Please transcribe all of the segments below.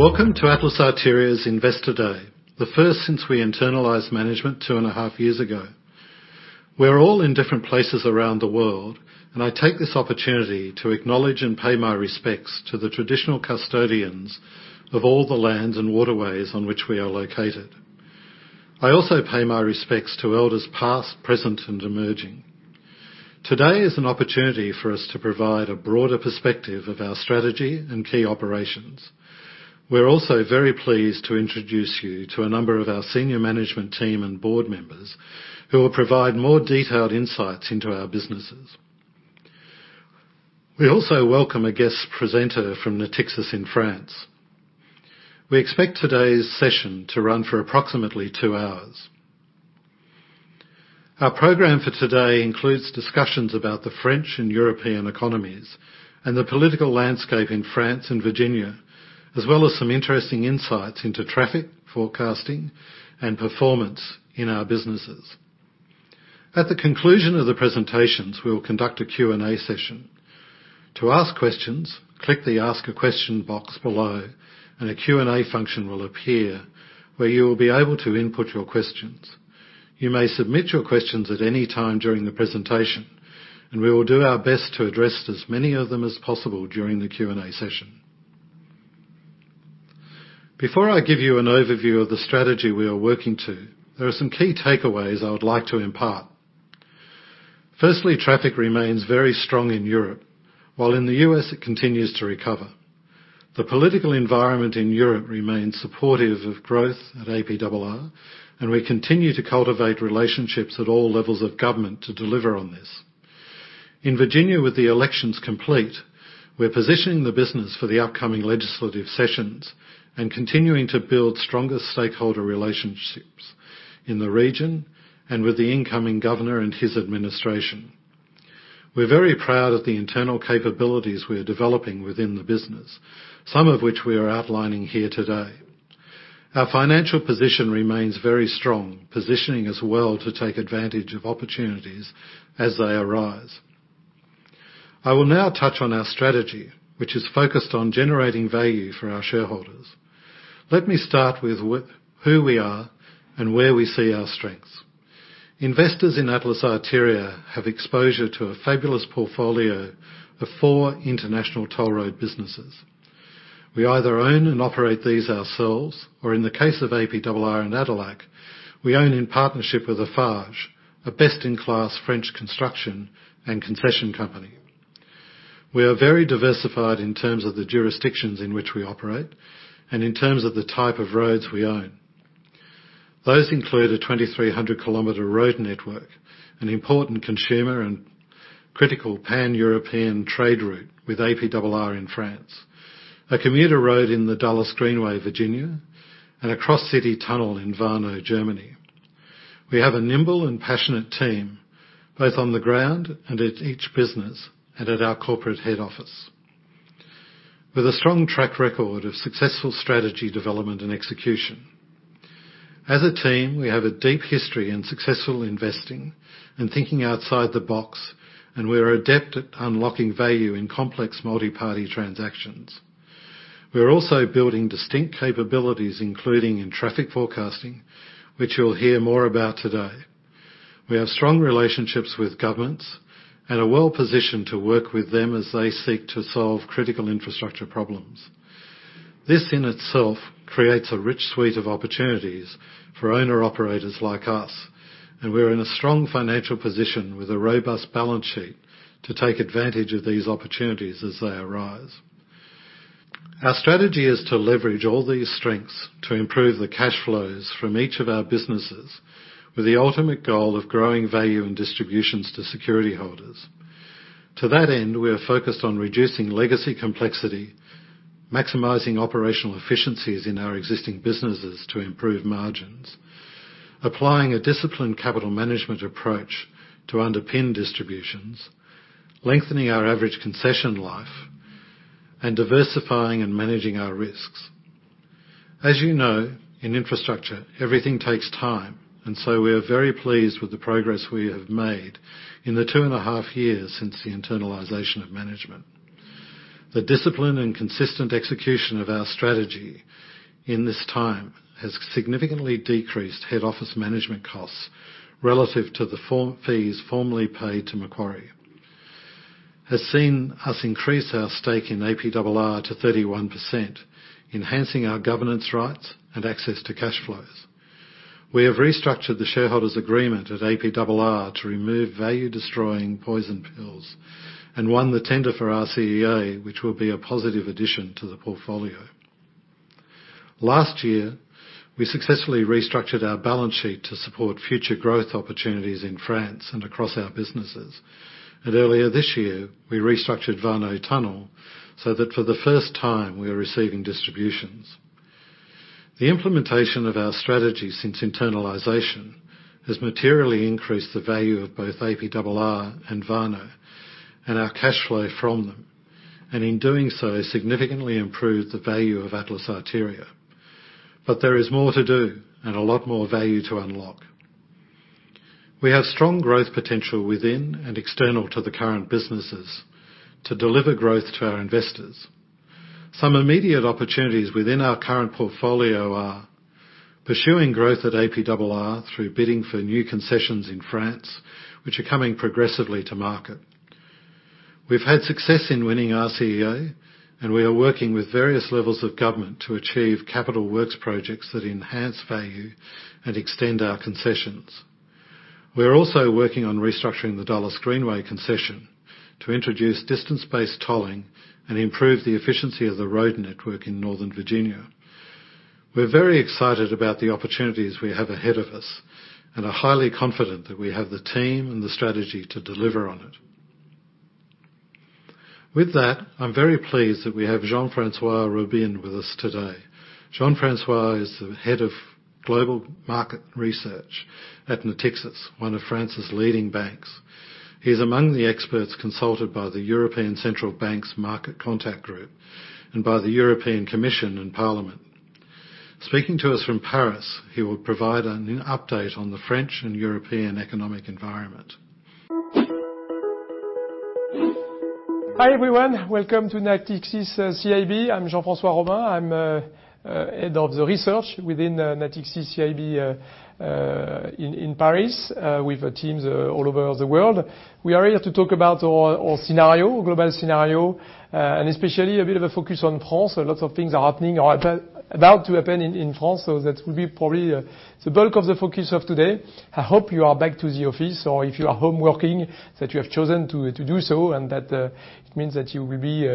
Welcome to Atlas Arteria's Investor Day, the first since we internalized management two and a half years ago. We're all in different places around the world, and I take this opportunity to acknowledge and pay my respects to the traditional custodians of all the lands and waterways on which we are located. I also pay my respects to elders past, present, and emerging. Today is an opportunity for us to provide a broader perspective of our strategy and key operations. We're also very pleased to introduce you to a number of our senior management team and board members who will provide more detailed insights into our businesses. We also welcome a guest presenter from Natixis in France. We expect today's session to run for approximately two hours. Our program for today includes discussions about the French and European economies and the political landscape in France and Virginia, as well as some interesting insights into traffic, forecasting, and performance in our businesses. At the conclusion of the presentations, we will conduct a Q&A session. To ask questions, click the Ask a Question box below, and a Q&A function will appear where you will be able to input your questions. You may submit your questions at any time during the presentation, and we will do our best to address as many of them as possible during the Q&A session. Before I give you an overview of the strategy we are working to, there are some key takeaways I would like to impart. Firstly, traffic remains very strong in Europe. While in the U.S., it continues to recover. The political environment in Europe remains supportive of growth at APRR, and we continue to cultivate relationships at all levels of government to deliver on this. In Virginia, with the elections complete, we're positioning the business for the upcoming legislative sessions and continuing to build stronger stakeholder relationships in the region and with the incoming governor and his administration. We're very proud of the internal capabilities we are developing within the business, some of which we are outlining here today. Our financial position remains very strong, positioning us well to take advantage of opportunities as they arise. I will now touch on our strategy, which is focused on generating value for our shareholders. Let me start with who we are and where we see our strengths. Investors in Atlas Arteria have exposure to a fabulous portfolio of four international toll road businesses. We either own and operate these ourselves or in the case of APRR and ADELAC, we own in partnership with Eiffage, a best-in-class French construction and concession company. We are very diversified in terms of the jurisdictions in which we operate and in terms of the type of roads we own. Those include a 2,300 km road network, an important consumer and critical Pan-European trade route with APRR in France, a commuter road in the Dulles Greenway, Virginia, and a cross-city tunnel in Warnow, Germany. We have a nimble and passionate team, both on the ground and at each business and at our corporate head office with a strong track record of successful strategy development and execution. As a team, we have a deep history in successful investing and thinking outside the box, and we are adept at unlocking value in complex multi-party transactions. We are also building distinct capabilities, including in traffic forecasting, which you'll hear more about today. We have strong relationships with governments and are well-positioned to work with them as they seek to solve critical infrastructure problems. This in itself creates a rich suite of opportunities for owner-operators like us, and we're in a strong financial position with a robust balance sheet to take advantage of these opportunities as they arise. Our strategy is to leverage all these strengths to improve the cash flows from each of our businesses with the ultimate goal of growing value and distributions to security holders. To that end, we are focused on reducing legacy complexity, maximizing operational efficiencies in our existing businesses to improve margins, applying a disciplined capital management approach to underpin distributions, lengthening our average concession life, and diversifying and managing our risks. As you know, in infrastructure, everything takes time, and so we are very pleased with the progress we have made in the two and a half years since the internalization of management. The discipline and consistent execution of our strategy in this time has significantly decreased head office management costs relative to the former fees formerly paid to Macquarie, has seen us increase our stake in APRR to 31%, enhancing our governance rights and access to cash flows. We have restructured the shareholders' agreement at APRR to remove value-destroying poison pills and won the tender for RCEA, which will be a positive addition to the portfolio. Last year, we successfully restructured our balance sheet to support future growth opportunities in France and across our businesses. Earlier this year, we restructured Warnow Tunnel so that for the first time, we are receiving distributions. The implementation of our strategy since internalization has materially increased the value of both APRR and Warnow and our cash flow from them, and in doing so, significantly improved the value of Atlas Arteria. There is more to do, and a lot more value to unlock. We have strong growth potential within and external to the current businesses to deliver growth to our investors. Some immediate opportunities within our current portfolio are pursuing growth at APRR through bidding for new concessions in France, which are coming progressively to market. We've had success in winning RCEA, and we are working with various levels of government to achieve capital works projects that enhance value and extend our concessions. We're also working on restructuring the Dulles Greenway concession to introduce distance-based tolling and improve the efficiency of the road network in Northern Virginia. We're very excited about the opportunities we have ahead of us and are highly confident that we have the team and the strategy to deliver on it. With that, I'm very pleased that we have Jean-François Robin with us today. Jean-François is the Head of Global Market Research at Natixis, one of France's leading banks. He is among the experts consulted by the European Central Bank's market contact group and by the European Commission and European Parliament. Speaking to us from Paris, he will provide an update on the French and European economic environment. Hi, everyone. Welcome to Natixis CIB. I'm Jean-François Robin, head of the research within Natixis CIB, in Paris, with teams all over the world. We are here to talk about our global scenario, and especially a bit of a focus on France. A lot of things are happening or about to happen in France, so that will be probably the bulk of the focus of today. I hope you are back to the office, or if you are home working, that you have chosen to do so, and that means that you will be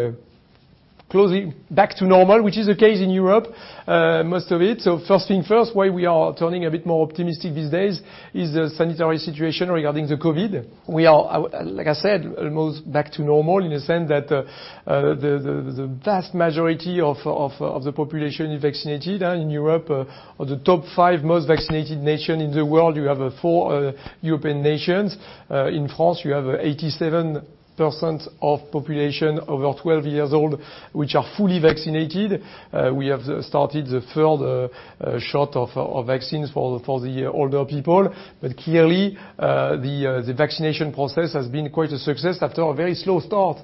closing back to normal, which is the case in Europe, most of it. First thing first, why we are turning a bit more optimistic these days is the sanitary situation regarding the COVID. We are, like I said, almost back to normal in the sense that the vast majority of the population is vaccinated. In Europe, the top five most vaccinated nations in the world, you have four European nations. In France, you have 87% of population over 12 years old which are fully vaccinated. We have started the third shot of vaccines for the older people. Clearly, the vaccination process has been quite a success after a very slow start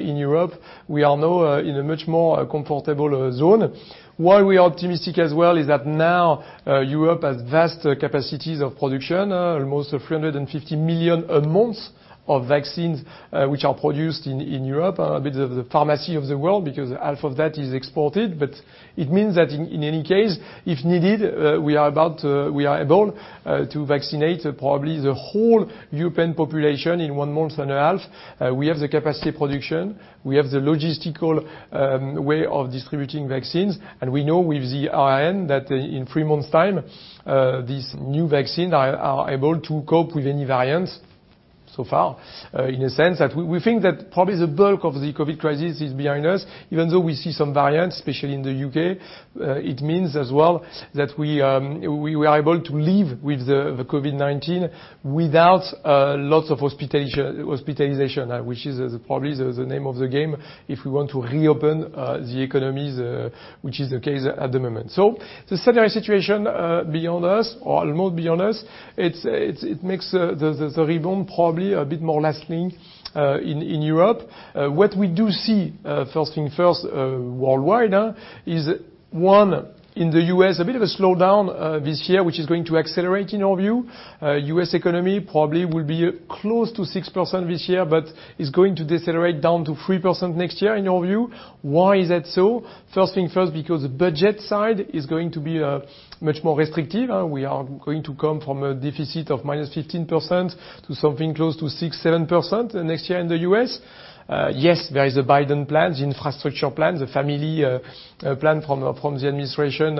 in Europe. We are now in a much more comfortable zone. Why we are optimistic as well is that now Europe has vast capacities of production, almost 350 million a month of vaccines which are produced in Europe. A bit of the pharmacy of the world because half of that is exported. It means that in any case, if needed, we are able to vaccinate probably the whole European population in one month and a half. We have the capacity production. We have the logistical way of distributing vaccines. We know with the RN that in three months' time, this new vaccine are able to cope with any variants so far. In a sense that we think that probably the bulk of the COVID crisis is behind us, even though we see some variants, especially in the U.K. It means as well that we are able to live with the COVID-19 without lots of hospitalization, which is probably the name of the game if we want to reopen the economies, which is the case at the moment. The secondary situation behind us or almost behind us, it makes the rebound probably a bit more lasting in Europe. What we do see, first things first, worldwide, is in the U.S. a bit of a slowdown this year, which is going to accelerate in our view. The U.S. economy probably will be close to 6% this year, but is going to decelerate down to 3% next year in our view. Why is that so? First things first, because the budget side is going to be much more restrictive. We are going to come from a deficit of -15% to something close to 6%, 7% next year in the U.S. Yes, there is a Biden plan, the infrastructure plan, the family plan from the administration,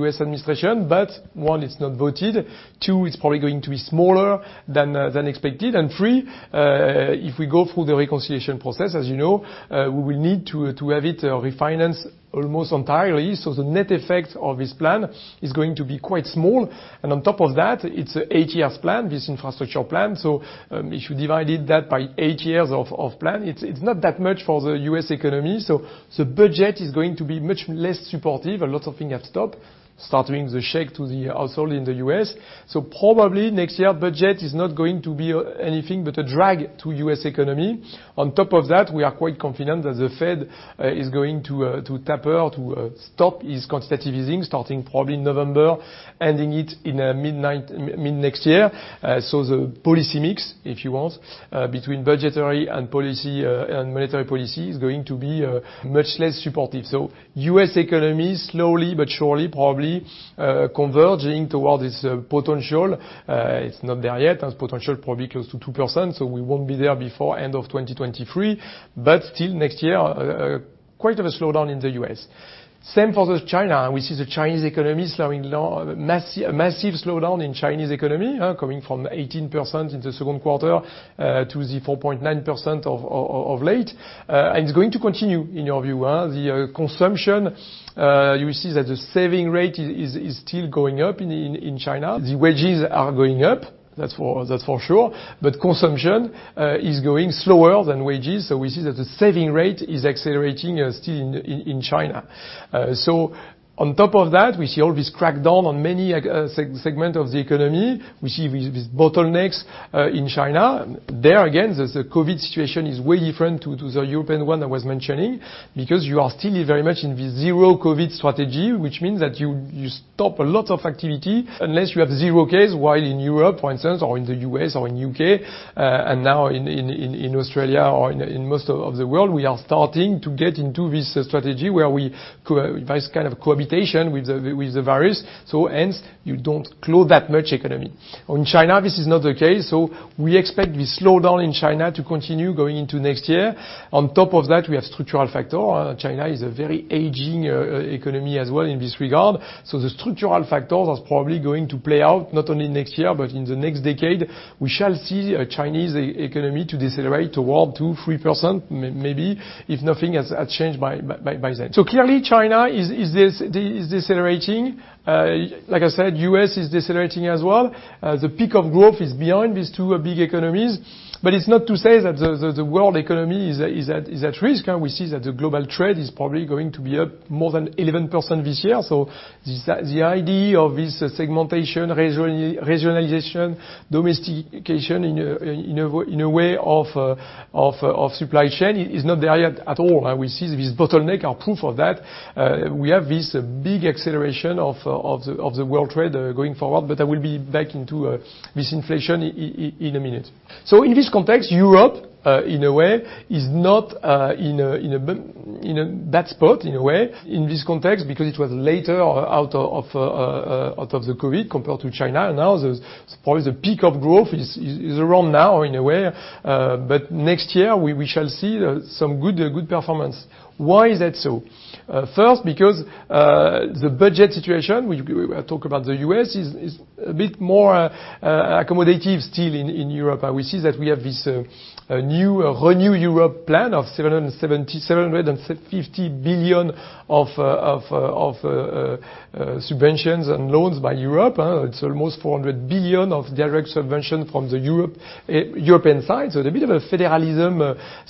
U.S. administration, but one, it's not voted. Two, it's probably going to be smaller than expected. Three, if we go through the reconciliation process, as you know, we will need to have it refinanced almost entirely. The net effect of this plan is going to be quite small. On top of that, it's an eight years plan, this infrastructure plan. If you divided that by eight years of plan, it's not that much for the U.S. economy. The budget is going to be much less supportive. A lot of things have stopped, starting to shake the households in the U.S. Probably next year, budget is not going to be anything but a drag on the U.S. economy. On top of that, we are quite confident that the Fed is going to taper to stop its quantitative easing, starting probably in November, ending it in mid-next year. The policy mix, if you want, between budgetary policy and monetary policy is going to be much less supportive. U.S. economy, slowly but surely, probably, converging towards its potential. It's not there yet. Its potential probably close to 2%, so we won't be there before end of 2023. Still next year, quite a slowdown in the U.S. Same for China. We see the Chinese economy slowing down, massive slowdown in Chinese economy, coming from 18% in the second quarter to the 4.9% of late. It's going to continue in our view. The consumption, you see that the saving rate is still going up in China. The wages are going up, that's for sure. Consumption is growing slower than wages. We see that the saving rate is accelerating still in China. On top of that, we see all this crackdown on many segment of the economy. We see these bottlenecks in China. There again, the COVID situation is way different to the European one I was mentioning, because you are still very much in the zero COVID strategy, which means that you stop a lot of activity unless you have zero case. While in Europe, for instance, or in the U.S. or in U.K., and now in Australia or in most of the world, we are starting to get into this strategy where we this kind of cohabitation with the virus. Hence you don't close that much economy. In China, this is not the case. We expect the slowdown in China to continue going into next year. On top of that, we have structural factor. China is a very aging economy as well in this regard. The structural factors is probably going to play out not only next year but in the next decade. We shall see a Chinese economy to decelerate toward 2%, 3%, maybe, if nothing has changed by then. Clearly China is decelerating. Like I said, U.S. is decelerating as well. The peak of growth is beyond these two big economies. It's not to say that the world economy is at risk. We see that the global trade is probably going to be up more than 11% this year. The idea of this segmentation, regionalization, domestication in a way of supply chain is not there yet at all. We see these bottlenecks are proof of that. We have this big acceleration of the world trade going forward, but I will be back into this inflation in a minute. In this context, Europe in a way is not in a bad spot in a way in this context, because it was later out of the COVID compared to China. Now probably the peak of growth is around now in a way. Next year, we shall see some good performance. Why is that so? First because the budget situation we talk about the U.S. is a bit more accommodative still in Europe. We see that we have this new Europe plan of 750 billion of subventions and loans by Europe. It's almost 400 billion of direct subvention from the European side. A bit of a federalism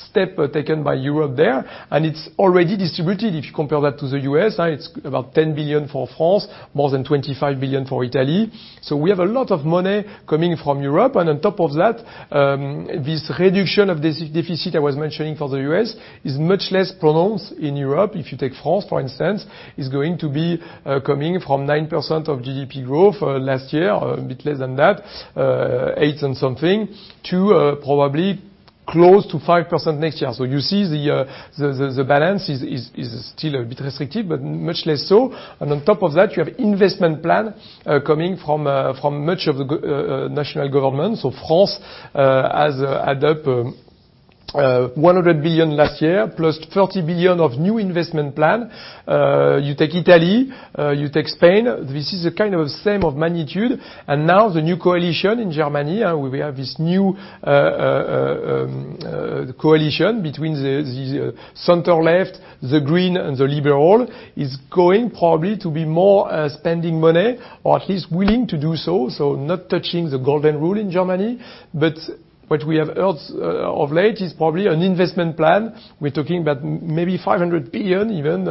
step taken by Europe there, and it's already distributed. If you compare that to the U.S., it's about 10 billion for France, more than 25 billion for Italy. We have a lot of money coming from Europe. On top of that, this reduction of deficit I was mentioning for the U.S. is much less pronounced in Europe. If you take France, for instance, is going to be coming from 9% of GDP growth last year, a bit less than that, 8 and something, to probably close to 5% next year. You see the balance is still a bit restrictive, but much less so. On top of that, you have investment plan coming from much of the national government. France has added up 100 billion last year, plus 30 billion of new investment plan. You take Italy, you take Spain, this is of the same order of magnitude. Now the new coalition in Germany. We have this new coalition between the center left, the green and the liberal, is going probably to be more spending money or at least willing to do so. Not touching the golden rule in Germany. But what we have heard of late is probably an investment plan. We're talking about maybe 500 billion, even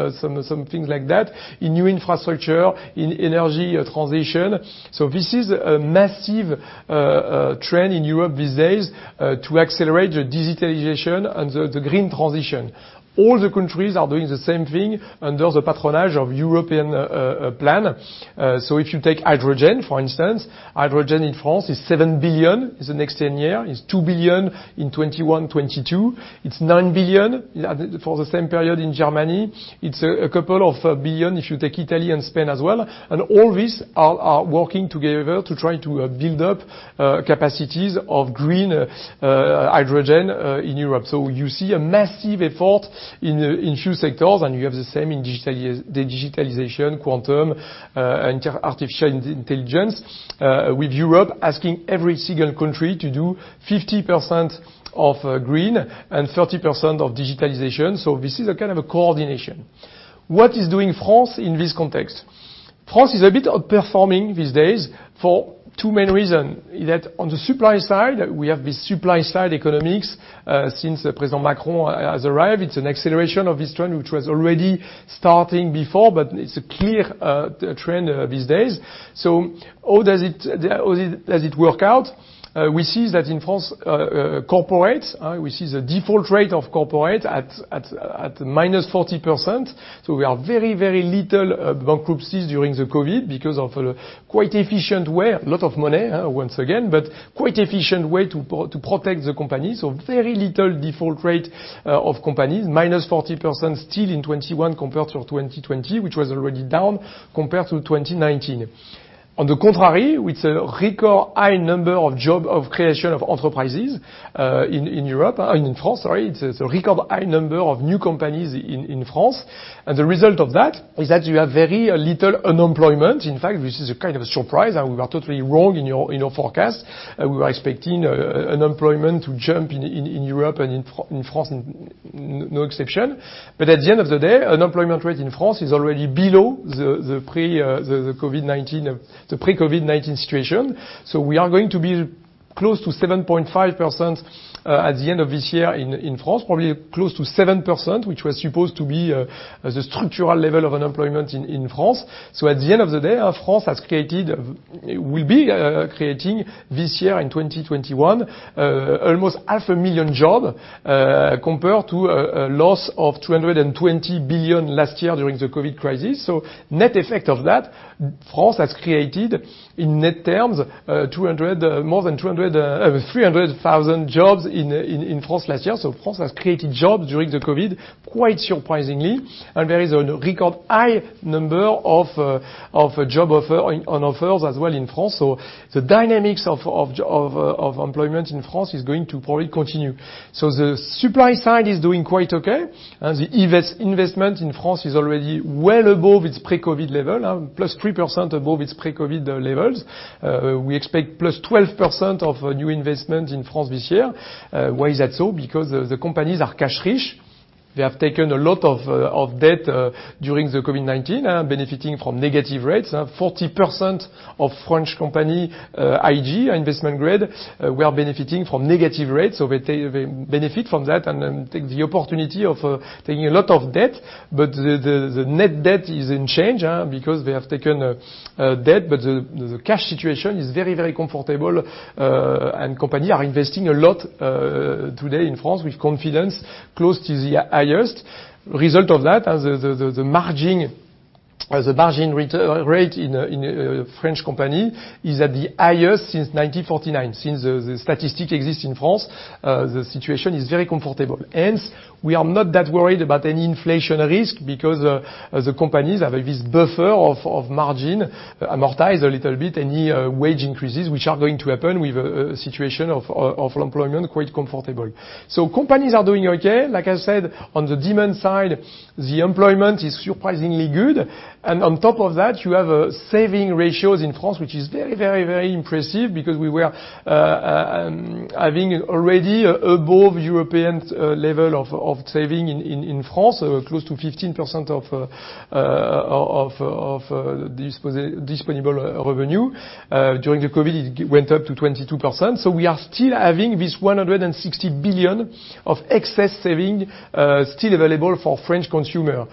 something like that, in new infrastructure, in energy transition. This is a massive trend in Europe these days to accelerate the digitalization and the green transition. All the countries are doing the same thing under the patronage of European plan. If you take hydrogen, for instance, hydrogen in France is 7 billion is the next ten year. It's 2 billion in 2021, 2022. It's 9 billion for the same period in Germany. It's a couple of billion if you take Italy and Spain as well. All this are working together to try to build up capacities of green hydrogen in Europe. You see a massive effort in few sectors, and you have the same in digitalization, quantum, and artificial intelligence, with Europe asking every single country to do 50% of green and 30% of digitalization. This is a kind of a coordination. What is France doing in this context? France is a bit outperforming these days for two main reason. That, on the supply side, we have this supply-side economics since President Macron has arrived. It's an acceleration of this trend, which was already starting before, but it's a clear trend these days. How does it work out? We see that in France, corporates, we see the default rate of corporate at -40%. We have very little bankruptcies during the COVID because of a quite efficient way, a lot of money, once again, but quite efficient way to protect the company. Very little default rate of companies, -40% still in 2021 compared to 2020, which was already down compared to 2019. On the contrary, with a record high number of job creation of enterprises in France, sorry. It's a record high number of new companies in France. The result of that is that you have very little unemployment. In fact, this is a kind of a surprise, and we were totally wrong in our forecast. We were expecting unemployment to jump in Europe and in France, no exception. At the end of the day, unemployment rate in France is already below the pre-COVID-19 situation. We are going to be close to 7.5% at the end of this year in France, probably close to 7%, which was supposed to be the structural level of unemployment in France. At the end of the day, France will be creating this year in 2021 almost 500,000 jobs compared to a loss of 220,000 last year during the COVID crisis. Net effect of that, France has created in net terms more than 300,000 jobs in France last year. France has created jobs during the COVID, quite surprisingly. There is a record high number of job offers as well in France. The dynamics of employment in France is going to probably continue. The supply side is doing quite okay. The investment in France is already well above its pre-COVID level, +3% above its pre-COVID levels. We expect +12% of new investment in France this year. Why is that so? Because the companies are cash-rich. They have taken a lot of debt during the COVID-19, benefiting from negative rates. 40% of French companies IG investment grade were benefiting from negative rates. They benefit from that and then take the opportunity of taking a lot of debt. The net debt is unchanged because they have taken debt, but the cash situation is very, very comfortable. Companies are investing a lot today in France with confidence close to the highest. Result of that, the margin rate in French companies is at the highest since 1949, since the statistic exists in France. The situation is very comfortable. Hence, we are not that worried about any inflation risk because the companies have this buffer of margin, amortize a little bit any wage increases which are going to happen with a situation of employment quite comfortable. Companies are doing okay. Like I said, on the demand side, the employment is surprisingly good. On top of that, you have a saving ratios in France, which is very, very, very impressive because we were having already above European level of saving in France, close to 15% of disposable revenue. During the COVID, it went up to 22%. We are still having this 160 billion of excess saving still available for French consumer.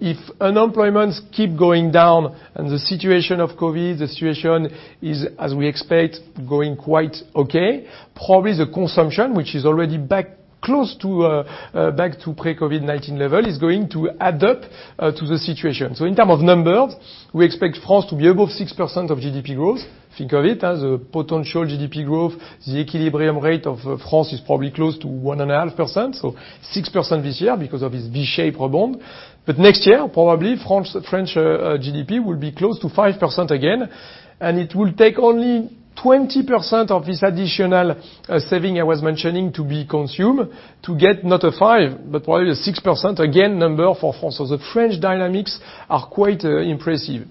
If unemployment keep going down and the COVID situation is, as we expect, going quite okay, probably the consumption, which is already back to pre-COVID-19 level, is going to add up to the situation. In terms of numbers, we expect France to be above 6% of GDP growth. Think of it as a potential GDP growth. The equilibrium rate of France is probably close to 1.5%, so 6% this year because of this V-shaped rebound. Next year, probably French GDP will be close to 5% again, and it will take only 20% of this additional saving I was mentioning to be consumed to get not a 5%, but probably a 6%, again, number for France. The French dynamics are quite impressive.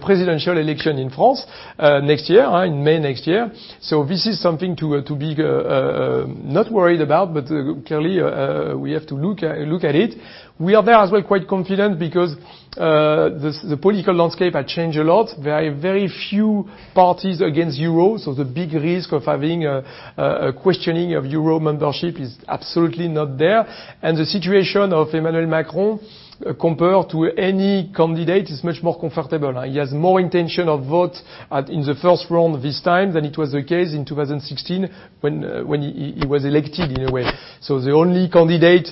Presidential election in France next year in May next year. This is something to be not worried about, but clearly we have to look at it. We are there as well quite confident because the political landscape had changed a lot. Very few parties against euro, so the big risk of having a questioning of euro membership is absolutely not there. The situation of Emmanuel Macron, compared to any candidate, is much more comfortable. He has more intention of vote at in the first round this time than it was the case in 2016 when he was elected, in a way. The only candidate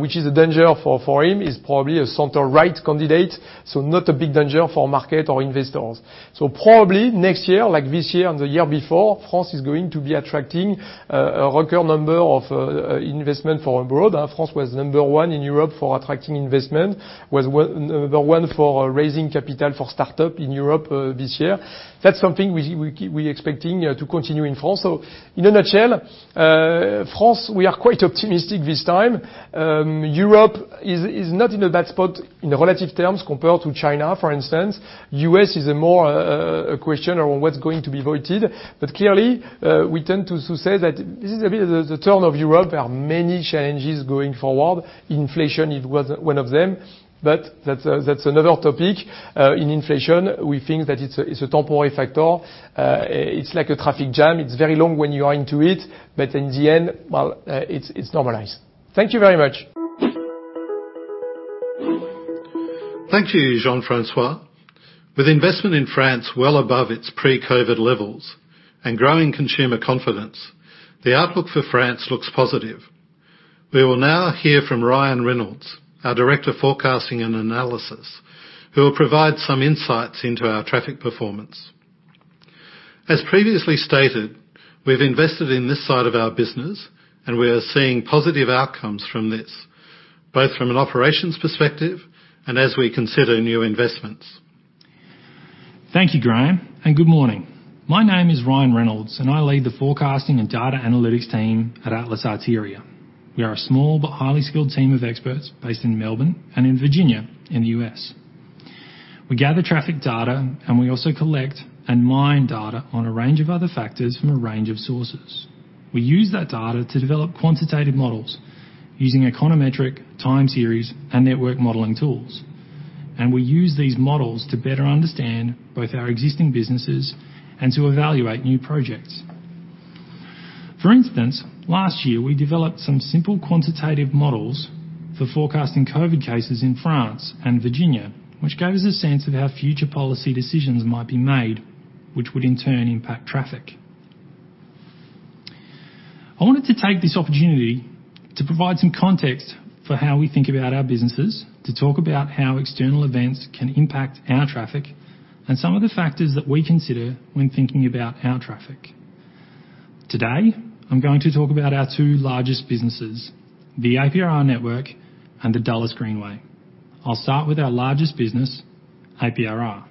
which is a danger for him is probably a center-right candidate, so not a big danger for market or investors. Probably next year, like this year and the year before, France is going to be attracting a record number of investment from abroad. France was number one in Europe for attracting investment, number one for raising capital for start-up in Europe this year. That's something we expecting to continue in France. In a nutshell, France, we are quite optimistic this time. Europe is not in a bad spot in relative terms compared to China, for instance. U.S. is a more a question on what's going to be voted. Clearly, we tend to say that this is a bit of the turn of Europe. There are many challenges going forward. Inflation, it was one of them, but that's another topic. On inflation, we think that it's a temporary factor. It's like a traffic jam. It's very long when you're in it, but in the end, it's normalized. Thank you very much. Thank you, Jean-François. With investment in France well above its pre-COVID levels and growing consumer confidence, the outlook for France looks positive. We will now hear from Ryan Reynolds, our Director of Forecasting and Analysis, who will provide some insights into our traffic performance. As previously stated, we've invested in this side of our business, and we are seeing positive outcomes from this, both from an operations perspective and as we consider new investments. Thank you, Graeme, and good morning. My name is Ryan Reynolds, and I lead the forecasting and data analytics team at Atlas Arteria. We are a small but highly skilled team of experts based in Melbourne and in Virginia in the U.S. We gather traffic data, and we also collect and mine data on a range of other factors from a range of sources. We use that data to develop quantitative models using econometric time series and network modeling tools. We use these models to better understand both our existing businesses and to evaluate new projects. For instance, last year, we developed some simple quantitative models for forecasting COVID cases in France and Virginia, which gave us a sense of how future policy decisions might be made, which would in turn impact traffic. I wanted to take this opportunity to provide some context for how we think about our businesses, to talk about how external events can impact our traffic and some of the factors that we consider when thinking about our traffic. Today, I'm going to talk about our two largest businesses, the APRR network and the Dulles Greenway. I'll start with our largest business, APRR.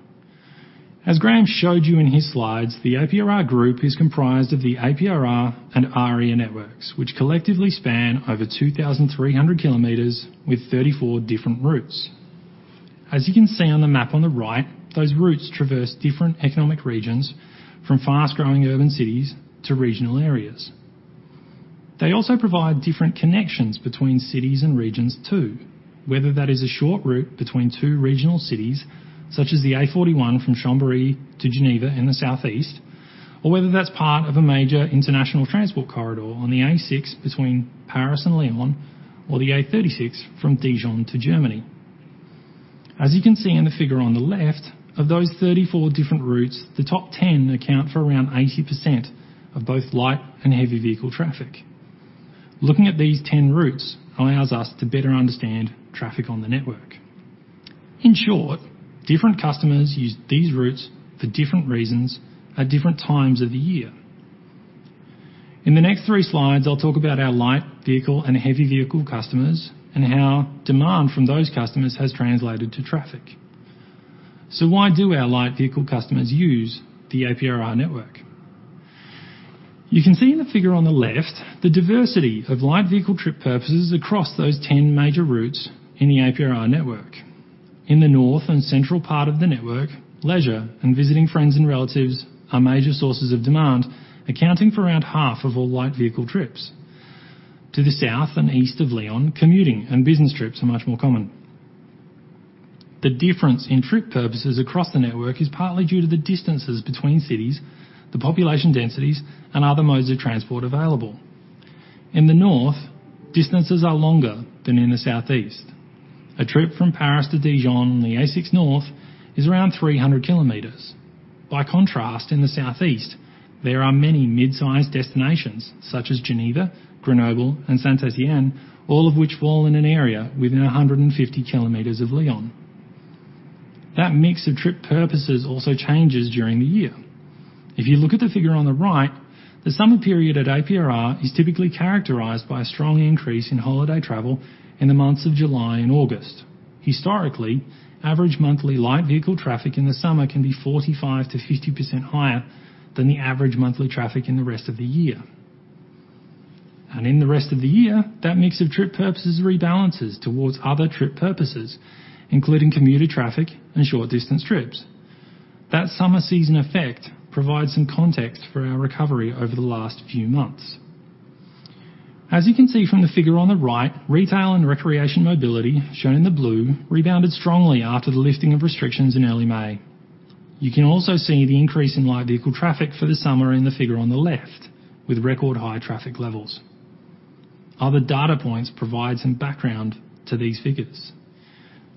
As Graeme showed you in his slides, the APRR group is comprised of the APRR and AREA networks, which collectively span over 2,300 km with 34 different routes. As you can see on the map on the right, those routes traverse different economic regions from fast-growing urban cities to regional areas. They also provide different connections between cities and regions too, whether that is a short route between two regional cities, such as the A41 from Chambéry to Geneva in the southeast, or whether that's part of a major international transport corridor on the A6 between Paris and Lyon or the A36 from Dijon to Germany. As you can see in the figure on the left, of those 34 different routes, the top 10 account for around 80% of both light and heavy vehicle traffic. Looking at these 10 routes allows us to better understand traffic on the network. In short, different customers use these routes for different reasons at different times of the year. In the next three slides, I'll talk about our light vehicle and heavy vehicle customers and how demand from those customers has translated to traffic. Why do our light vehicle customers use the APRR network? You can see in the figure on the left the diversity of light vehicle trip purposes across those ten major routes in the APRR network. In the north and central part of the network, leisure and visiting friends and relatives are major sources of demand, accounting for around half of all light vehicle trips. To the south and east of Lyon, commuting and business trips are much more common. The difference in trip purposes across the network is partly due to the distances between cities, the population densities, and other modes of transport available. In the north, distances are longer than in the southeast. A trip from Paris to Dijon on the A6 north is around 300 km. By contrast, in the southeast, there are many mid-sized destinations such as Geneva, Grenoble, and Saint-Étienne, all of which fall in an area within 150 km of Lyon. That mix of trip purposes also changes during the year. If you look at the figure on the right, the summer period at APRR is typically characterized by a strong increase in holiday travel in the months of July and August. Historically, average monthly light vehicle traffic in the summer can be 45%-50% higher than the average monthly traffic in the rest of the year. In the rest of the year, that mix of trip purposes rebalances towards other trip purposes, including commuter traffic and short-distance trips. That summer season effect provides some context for our recovery over the last few months. As you can see from the figure on the right, retail and recreation mobility, shown in the blue, rebounded strongly after the lifting of restrictions in early May. You can also see the increase in light vehicle traffic for the summer in the figure on the left with record high traffic levels. Other data points provide some background to these figures.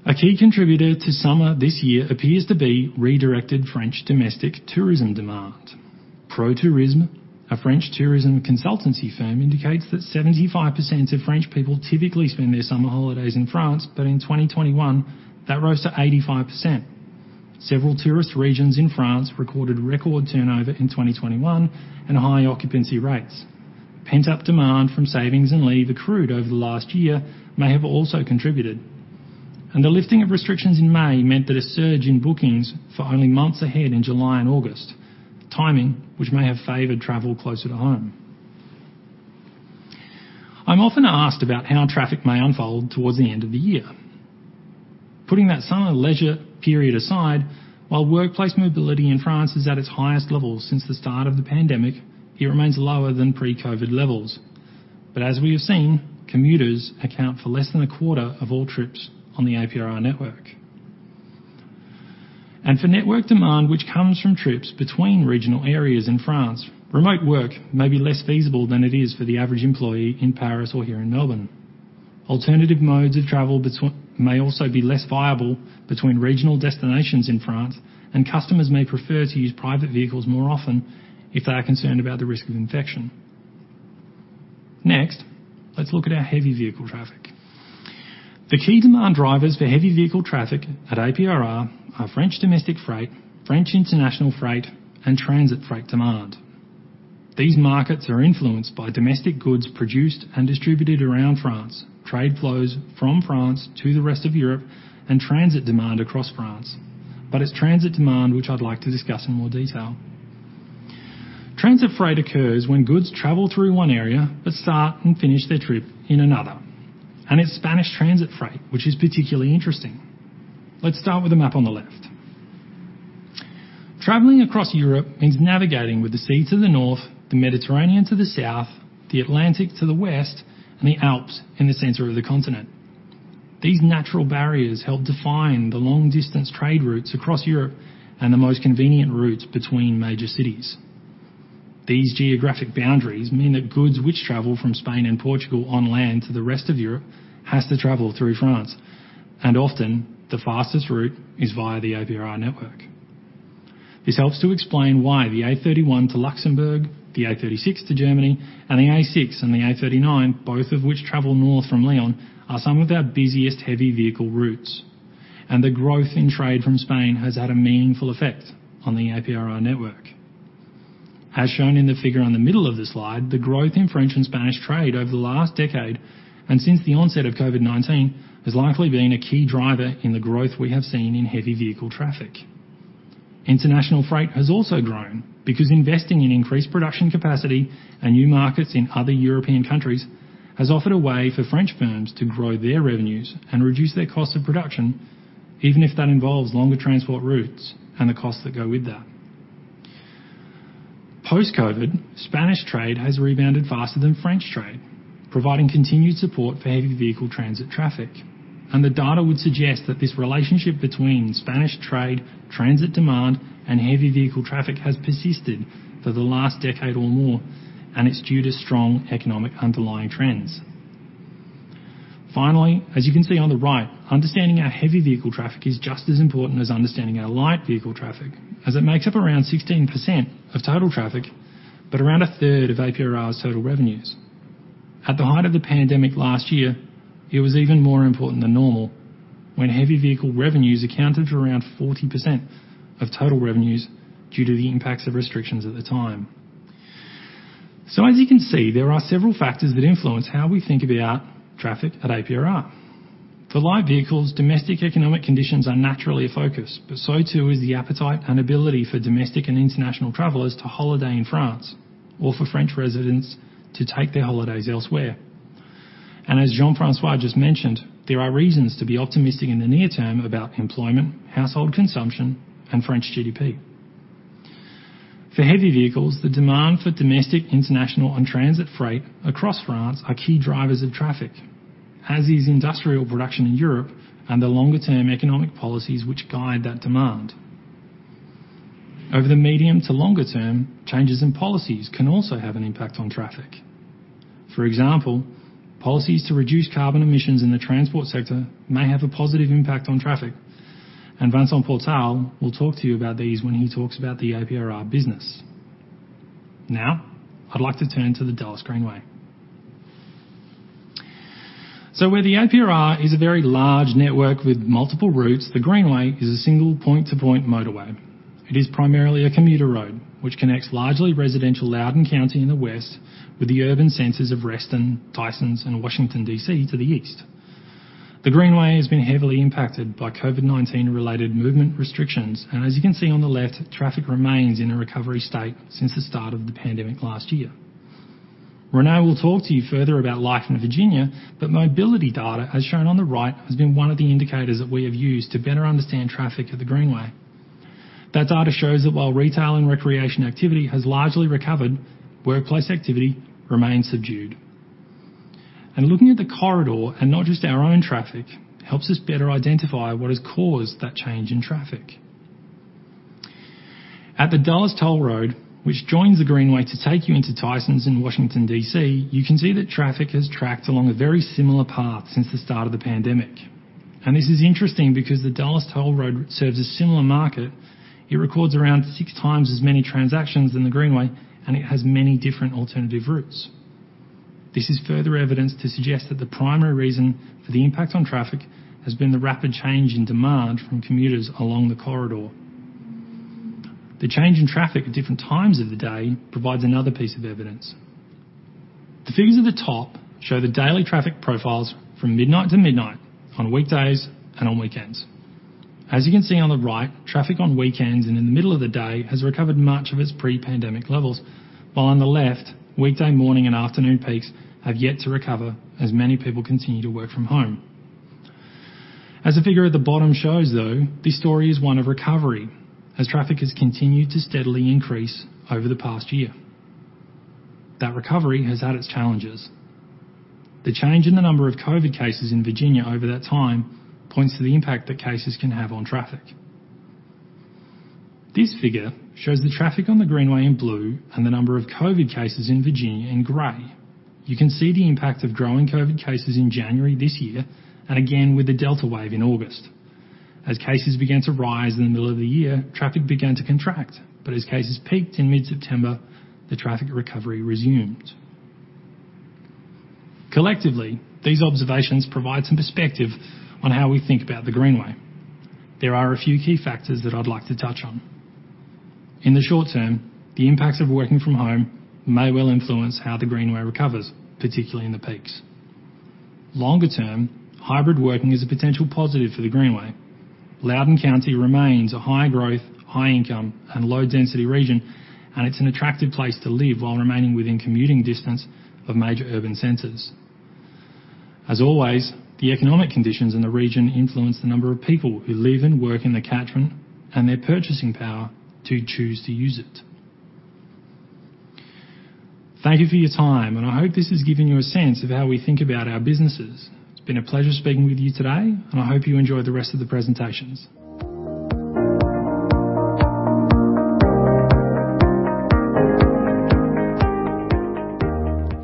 A key contributor to summer this year appears to be redirected French domestic tourism demand. Protourisme, a French tourism consultancy firm, indicates that 75% of French people typically spend their summer holidays in France, but in 2021, that rose to 85%. Several tourist regions in France recorded record turnover in 2021 and high occupancy rates. Pent-up demand from savings and leave accrued over the last year may have also contributed. The lifting of restrictions in May meant that a surge in bookings for only months ahead in July and August, the timing which may have favored travel closer to home. I'm often asked about how traffic may unfold towards the end of the year. Putting that summer leisure period aside, while workplace mobility in France is at its highest level since the start of the pandemic, it remains lower than pre-COVID levels. As we have seen, commuters account for less than a quarter of all trips on the APRR network. For network demand which comes from trips between regional areas in France, remote work may be less feasible than it is for the average employee in Paris or here in Melbourne. Alternative modes of travel may also be less viable between regional destinations in France, and customers may prefer to use private vehicles more often if they are concerned about the risk of infection. Next, let's look at our heavy vehicle traffic. The key demand drivers for heavy vehicle traffic at APRR are French domestic freight, French international freight, and transit freight demand. These markets are influenced by domestic goods produced and distributed around France, trade flows from France to the rest of Europe, and transit demand across France. It's transit demand which I'd like to discuss in more detail. Transit freight occurs when goods travel through one area but start and finish their trip in another. It's Spanish transit freight which is particularly interesting. Let's start with the map on the left. Traveling across Europe means navigating with the sea to the north, the Mediterranean to the south, the Atlantic to the west, and the Alps in the center of the continent. These natural barriers help define the long-distance trade routes across Europe and the most convenient routes between major cities. These geographic boundaries mean that goods which travel from Spain and Portugal on land to the rest of Europe has to travel through France, and often the fastest route is via the APRR network. This helps to explain why the A31 to Luxembourg, the A36 to Germany, and the A6 and the A39, both of which travel north from Lyon, are some of their busiest heavy vehicle routes. The growth in trade from Spain has had a meaningful effect on the APRR network. As shown in the figure on the middle of the slide, the growth in French and Spanish trade over the last decade and since the onset of COVID-19 has likely been a key driver in the growth we have seen in heavy vehicle traffic. International freight has also grown because investing in increased production capacity and new markets in other European countries has offered a way for French firms to grow their revenues and reduce their cost of production, even if that involves longer transport routes and the costs that go with that. Post-COVID, Spanish trade has rebounded faster than French trade, providing continued support for heavy vehicle transit traffic. The data would suggest that this relationship between Spanish trade, transit demand, and heavy vehicle traffic has persisted for the last decade or more, and it's due to strong economic underlying trends. Finally, as you can see on the right, understanding our heavy vehicle traffic is just as important as understanding our light vehicle traffic, as it makes up around 16% of total traffic, but around 1/3 of APRR's total revenues. At the height of the pandemic last year, it was even more important than normal when heavy vehicle revenues accounted for around 40% of total revenues due to the impacts of restrictions at the time. As you can see, there are several factors that influence how we think about traffic at APRR. For light vehicles, domestic economic conditions are naturally a focus, but so too is the appetite and ability for domestic and international travelers to holiday in France or for French residents to take their holidays elsewhere. As Jean-François just mentioned, there are reasons to be optimistic in the near term about employment, household consumption, and French GDP. For heavy vehicles, the demand for domestic, international, and transit freight across France are key drivers of traffic, as is industrial production in Europe and the longer-term economic policies which guide that demand. Over the medium to longer term, changes in policies can also have an impact on traffic. For example, policies to reduce carbon emissions in the transport sector may have a positive impact on traffic. Vincent Portal will talk to you about these when he talks about the APRR business. Now I'd like to turn to the Dulles Greenway. Where the APRR is a very large network with multiple routes, the Greenway is a single point-to-point motorway. It is primarily a commuter road which connects largely residential Loudoun County in the west with the urban centers of Reston, Tysons, and Washington, D.C., to the east. The Greenway has been heavily impacted by COVID-19 related movement restrictions. As you can see on the left, traffic remains in a recovery state since the start of the pandemic last year. Renée will talk to you further about life in Virginia, but mobility data, as shown on the right, has been one of the indicators that we have used to better understand traffic at the Greenway. That data shows that while retail and recreation activity has largely recovered, workplace activity remains subdued. Looking at the corridor and not just our own traffic helps us better identify what has caused that change in traffic. At the Dulles Toll Road, which joins the Greenway to take you into Tysons in Washington, D.C., you can see that traffic has tracked along a very similar path since the start of the pandemic. This is interesting because the Dulles Toll Road serves a similar market. It records around six times as many transactions than the Greenway, and it has many different alternative routes. This is further evidence to suggest that the primary reason for the impact on traffic has been the rapid change in demand from commuters along the corridor. The change in traffic at different times of the day provides another piece of evidence. The figures at the top show the daily traffic profiles from midnight to midnight on weekdays and on weekends. As you can see on the right, traffic on weekends and in the middle of the day has recovered much of its pre-pandemic levels. While on the left, weekday morning and afternoon peaks have yet to recover as many people continue to work from home. As the figure at the bottom shows, though, this story is one of recovery as traffic has continued to steadily increase over the past year. That recovery has had its challenges. The change in the number of COVID cases in Virginia over that time points to the impact that cases can have on traffic. This figure shows the traffic on the Greenway in blue and the number of COVID cases in Virginia in gray. You can see the impact of growing COVID cases in January this year and again with the Delta wave in August. As cases began to rise in the middle of the year, traffic began to contract. As cases peaked in mid-September, the traffic recovery resumed. Collectively, these observations provide some perspective on how we think about the Greenway. There are a few key factors that I'd like to touch on. In the short term, the impacts of working from home may well influence how the Greenway recovers, particularly in the peaks. Longer-term, hybrid working is a potential positive for the Greenway. Loudoun County remains a high growth, high income, and low density region, and it's an attractive place to live while remaining within commuting distance of major urban centers. As always, the economic conditions in the region influence the number of people who live and work in the catchment and their purchasing power to choose to use it. Thank you for your time, and I hope this has given you a sense of how we think about our businesses. It's been a pleasure speaking with you today, and I hope you enjoy the rest of the presentations.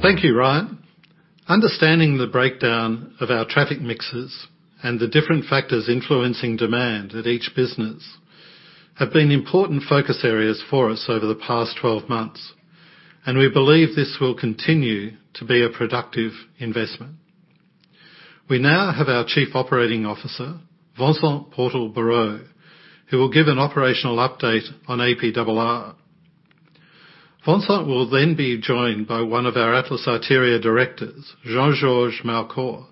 Thank you, Ryan. Understanding the breakdown of our traffic mixes and the different factors influencing demand at each business have been important focus areas for us over the past 12 months, and we believe this will continue to be a productive investment. We now have our Chief Operating Officer, Vincent Portal-Barrault, who will give an operational update on APRR. Vincent will then be joined by one of our Atlas Arteria directors, Jean-Georges Malcor,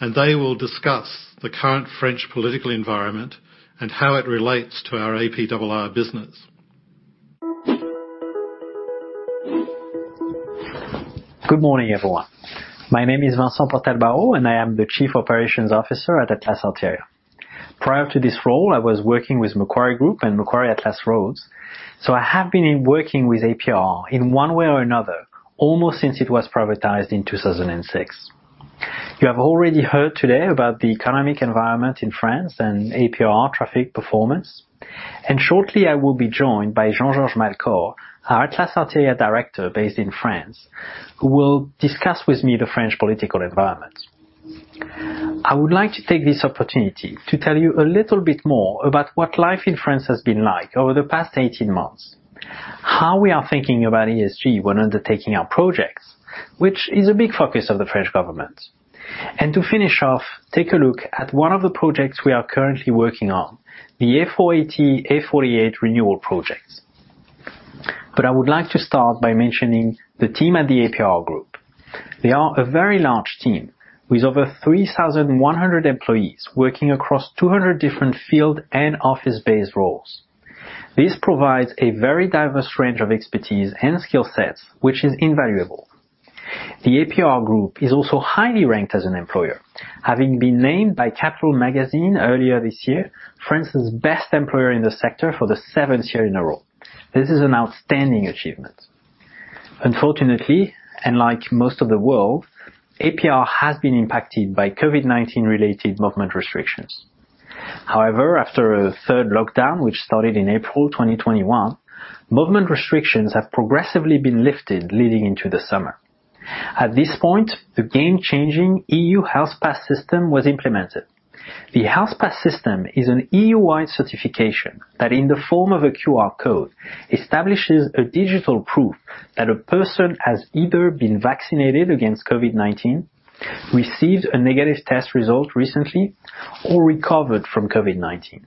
and they will discuss the current French political environment and how it relates to our APRR business. Good morning, everyone. My name is Vincent Portal-Barrault, and I am the Chief Operating Officer at Atlas Arteria. Prior to this role, I was working with Macquarie Group and Macquarie Atlas Roads, so I have been working with APRR in one way or another almost since it was privatized in 2006. You have already heard today about the economic environment in France and APRR traffic performance, and shortly I will be joined by Jean-Georges Malcor, our Atlas Arteria director based in France, who will discuss with me the French political environment. I would like to take this opportunity to tell you a little bit more about what life in France has been like over the past 18 months, how we are thinking about ESG when undertaking our projects, which is a big focus of the French government. To finish off, take a look at one of the projects we are currently working on, the A480/A48 renewal projects. I would like to start by mentioning the team at the APRR group. They are a very large team with over 3,100 employees working across 200 different field and office-based roles. This provides a very diverse range of expertise and skill sets, which is invaluable. The APRR group is also highly ranked as an employer, having been named by Capital magazine earlier this year, France's best employer in the sector for the seventh year in a row. This is an outstanding achievement. Unfortunately, and like most of the world, APRR has been impacted by COVID-19 related movement restrictions. However, after a third lockdown, which started in April 2021, movement restrictions have progressively been lifted leading into the summer. At this point, the game-changing EU Health Pass system was implemented. The Health Pass system is an EU-wide certification that, in the form of a QR code, establishes a digital proof that a person has either been vaccinated against COVID-19, received a negative test result recently, or recovered from COVID-19.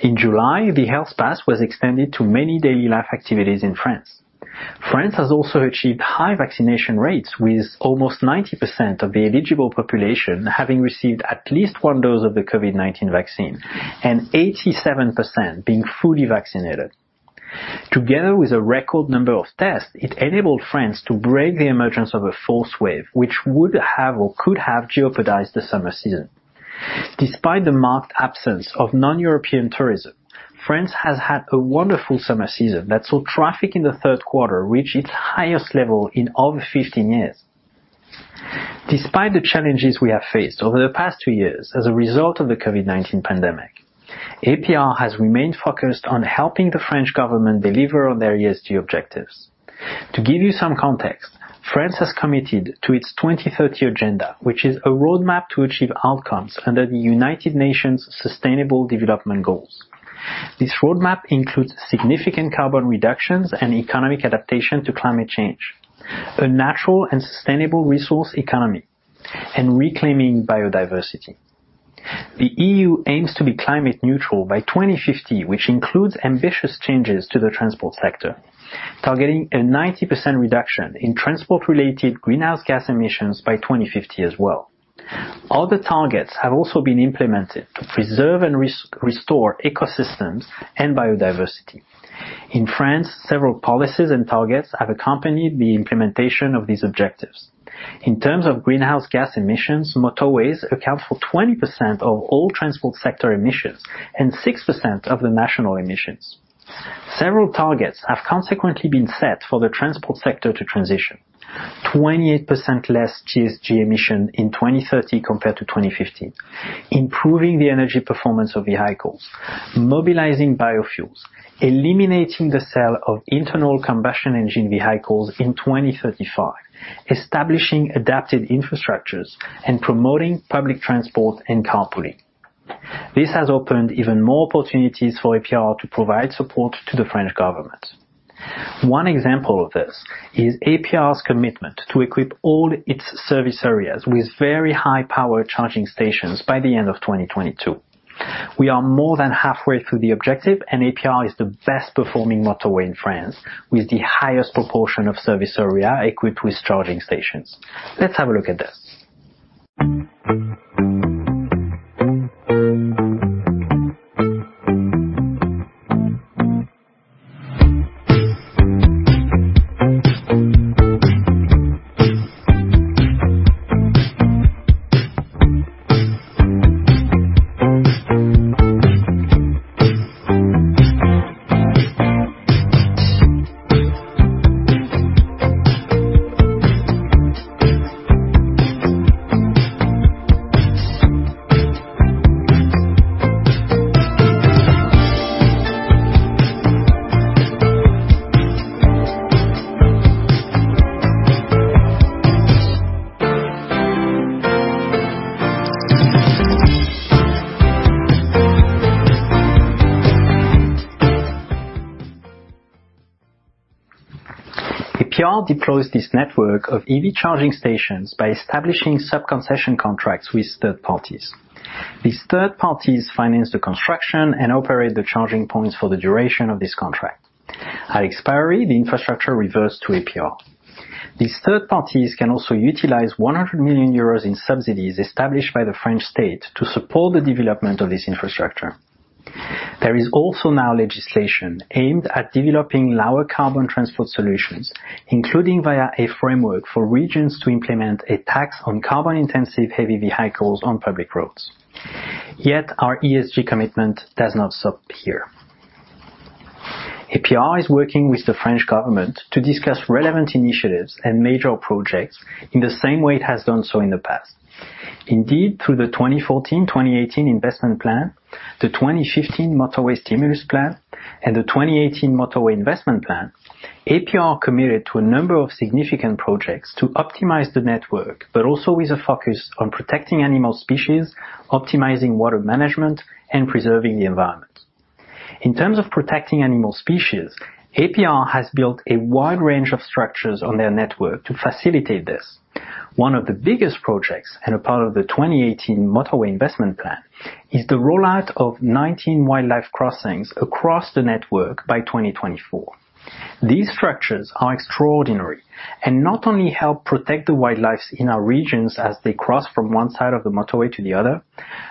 In July, the Health Pass was extended to many daily life activities in France. France has also achieved high vaccination rates with almost 90% of the eligible population having received at least one dose of the COVID-19 vaccine and 87% being fully vaccinated. Together with a record number of tests, it enabled France to break the emergence of a fourth wave, which would have or could have jeopardized the summer season. Despite the marked absence of non-European tourism, France has had a wonderful summer season that saw traffic in the third quarter reach its highest level in over 15 years. Despite the challenges we have faced over the past two years as a result of the COVID-19 pandemic, APRR has remained focused on helping the French government deliver on their ESG objectives. To give you some context, France has committed to its 2030 agenda, which is a roadmap to achieve outcomes under the United Nations Sustainable Development Goals. This roadmap includes significant carbon reductions and economic adaptation to climate change, a natural and sustainable resource economy, and reclaiming biodiversity. The EU aims to be climate neutral by 2050, which includes ambitious changes to the transport sector, targeting a 90% reduction in transport-related greenhouse gas emissions by 2050 as well. Other targets have also been implemented to preserve and restore ecosystems and biodiversity. In France, several policies and targets have accompanied the implementation of these objectives. In terms of greenhouse gas emissions, motorways account for 20% of all transport sector emissions and 6% of the national emissions. Several targets have consequently been set for the transport sector to transition. 28% less GHG emission in 2030 compared to 2015, improving the energy performance of vehicles, mobilizing biofuels, eliminating the sale of internal combustion engine vehicles in 2035, establishing adapted infrastructures, and promoting public transport and carpooling. This has opened even more opportunities for APRR to provide support to the French government. One example of this is APRR's commitment to equip all its service areas with very high power charging stations by the end of 2022. We are more than halfway through the objective, and APRR is the best performing motorway in France, with the highest proportion of service area equipped with charging stations. Let's have a look at this. APRR deploys this network of EV charging stations by establishing sub-concession contracts with third parties. These third parties finance the construction and operate the charging points for the duration of this contract. At expiry, the infrastructure reverts to APRR. These third parties can also utilize 100 million euros in subsidies established by the French state to support the development of this infrastructure. There is also now legislation aimed at developing lower carbon transport solutions, including via a framework for regions to implement a tax on carbon-intensive heavy vehicles on public roads. Yet our ESG commitment does not stop here. APRR is working with the French government to discuss relevant initiatives and major projects in the same way it has done so in the past. Indeed, through the 2014, 2018 investment plan, the 2015 motorway stimulus plan, and the 2018 motorway investment plan, APRR committed to a number of significant projects to optimize the network, but also with a focus on protecting animal species, optimizing water management, and preserving the environment. In terms of protecting animal species, APRR has built a wide range of structures on their network to facilitate this. One of the biggest projects, and a part of the 2018 motorway investment plan, is the rollout of 19 wildlife crossings across the network by 2024. These structures are extraordinary and not only help protect the wildlife in our regions as they cross from one side of the motorway to the other,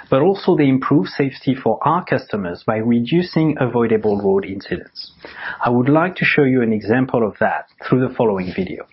but also they improve safety for our customers by reducing avoidable road incidents. I would like to show you an example of that through the following video.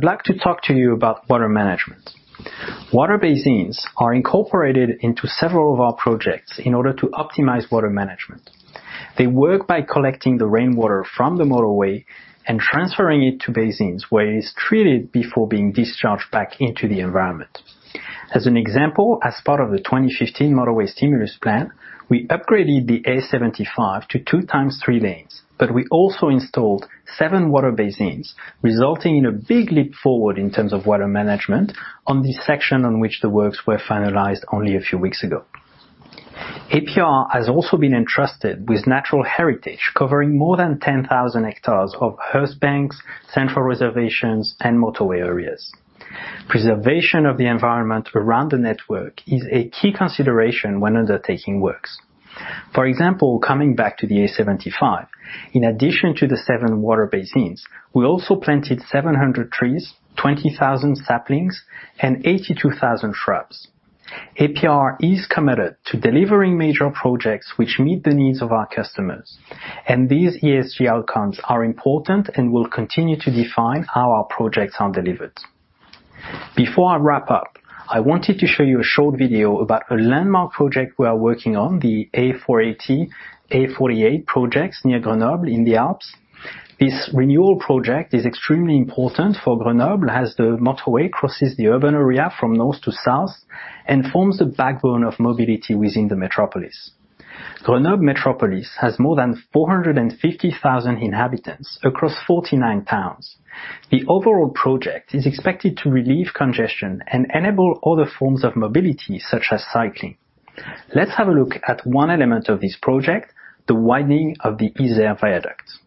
Now, I would like to talk to you about water management. Water basins are incorporated into several of our projects in order to optimize water management. They work by collecting the rainwater from the motorway and transferring it to basins where it is treated before being discharged back into the environment. As an example, as part of the 2015 motorway stimulus plan, we upgraded the A75 to two times three lanes, but we also installed seven water basins, resulting in a big leap forward in terms of water management on this section on which the works were finalized only a few weeks ago. APRR has also been entrusted with natural heritage covering more than 10,000 hectares of earth banks, central reservations, and motorway areas. Preservation of the environment around the network is a key consideration when undertaking works. For example, coming back to the A75, in addition to the seven water basins, we also planted 700 trees, 20,000 saplings, and 82,000 shrubs. APRR is committed to delivering major projects which meet the needs of our customers, and these ESG outcomes are important and will continue to define how our projects are delivered. Before I wrap up, I wanted to show you a short video about a landmark project we are working on, the A480/A48 projects near Grenoble in the Alps. This renewal project is extremely important for Grenoble as the motorway crosses the urban area from north to south and forms the backbone of mobility within the metropolis. Grenoble Metropolis has more than 450,000 inhabitants across 49 towns. The overall project is expected to relieve congestion and enable other forms of mobility, such as cycling. Let's have a look at one element of this project, the widening of the Isère viaduct.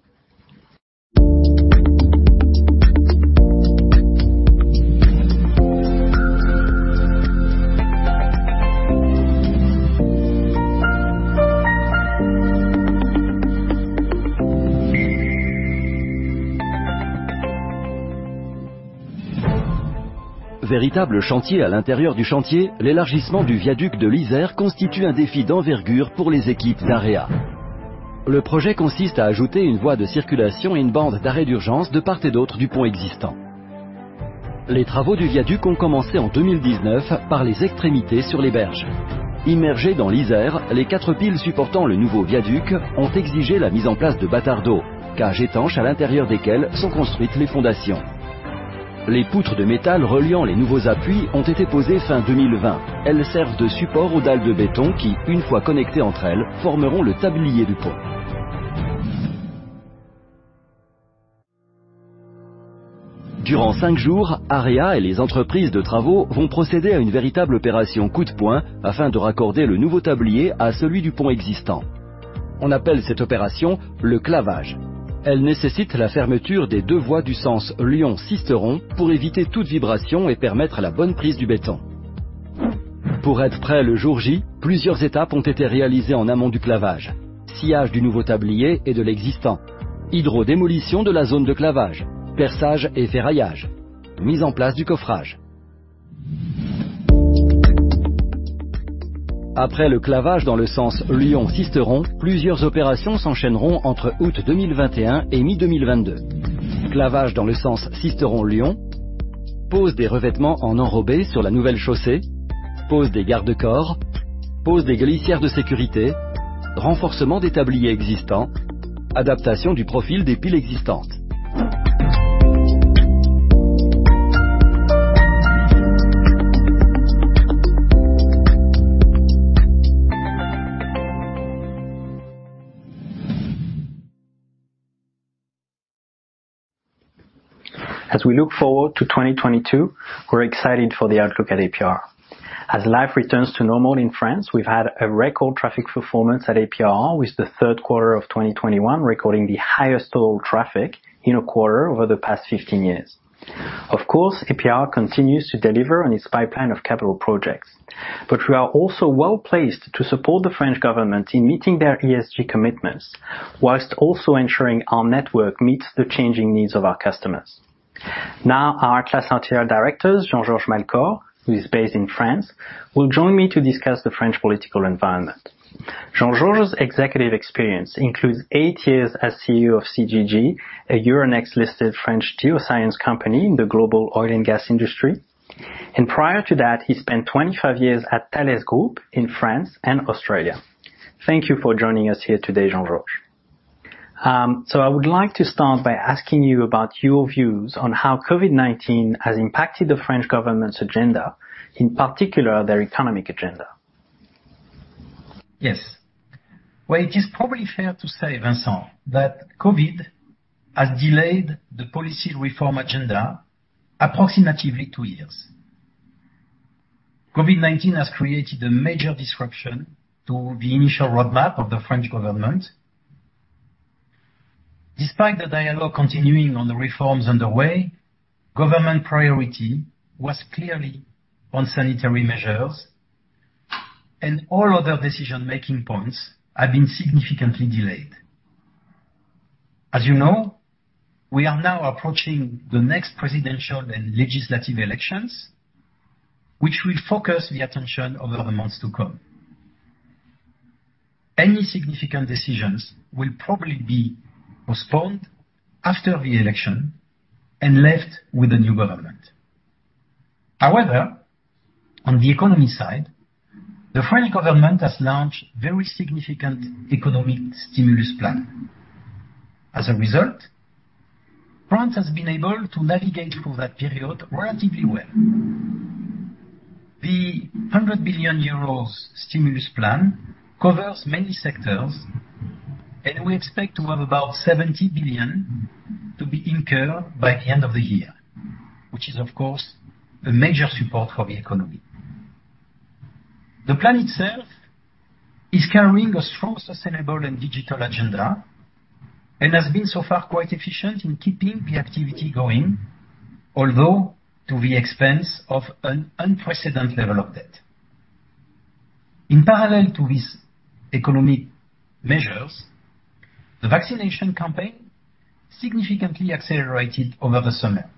As we look forward to 2022, we're excited for the outlook at APRR. As life returns to normal in France, we've had a record traffic performance at APRR, with the third quarter of 2021 recording the highest total traffic in a quarter over the past 15 years. Of course, APRR continues to deliver on its pipeline of capital projects. But we are also well-placed to support the French government in meeting their ESG commitments, while also ensuring our network meets the changing needs of our customers. Now, our Atlas Arteria Director, Jean-Georges Malcor, who is based in France, will join me to discuss the French political environment. Jean-Georges' executive experience includes eight years as CEO of CGG, a Euronext-listed French geoscience company in the global oil and gas industry. Prior to that, he spent 25 years at Thales Group in France and Australia. Thank you for joining us here today, Jean-Georges. I would like to start by asking you about your views on how COVID-19 has impacted the French government's agenda, in particular, their economic agenda. Yes. Well, it is probably fair to say, Vincent, that COVID has delayed the policy reform agenda approximately two years. COVID-19 has created a major disruption to the initial roadmap of the French government. Despite the dialogue continuing on the reforms underway, government priority was clearly on sanitary measures, and all other decision-making points have been significantly delayed. As you know, we are now approaching the next presidential and legislative elections, which will focus the attention over the months to come. Any significant decisions will probably be postponed after the election and left with the new government. However, on the economy side, the French government has launched very significant economic stimulus plan. As a result, France has been able to navigate through that period relatively well. The 100 billion euros stimulus plan covers many sectors, and we expect to have about 70 billion to be incurred by the end of the year, which is, of course, a major support for the economy. The plan itself is carrying a strong, sustainable, and digital agenda and has been so far quite efficient in keeping the activity going, although to the expense of an unprecedented level of debt. In parallel to these economic measures, the vaccination campaign significantly accelerated over the summer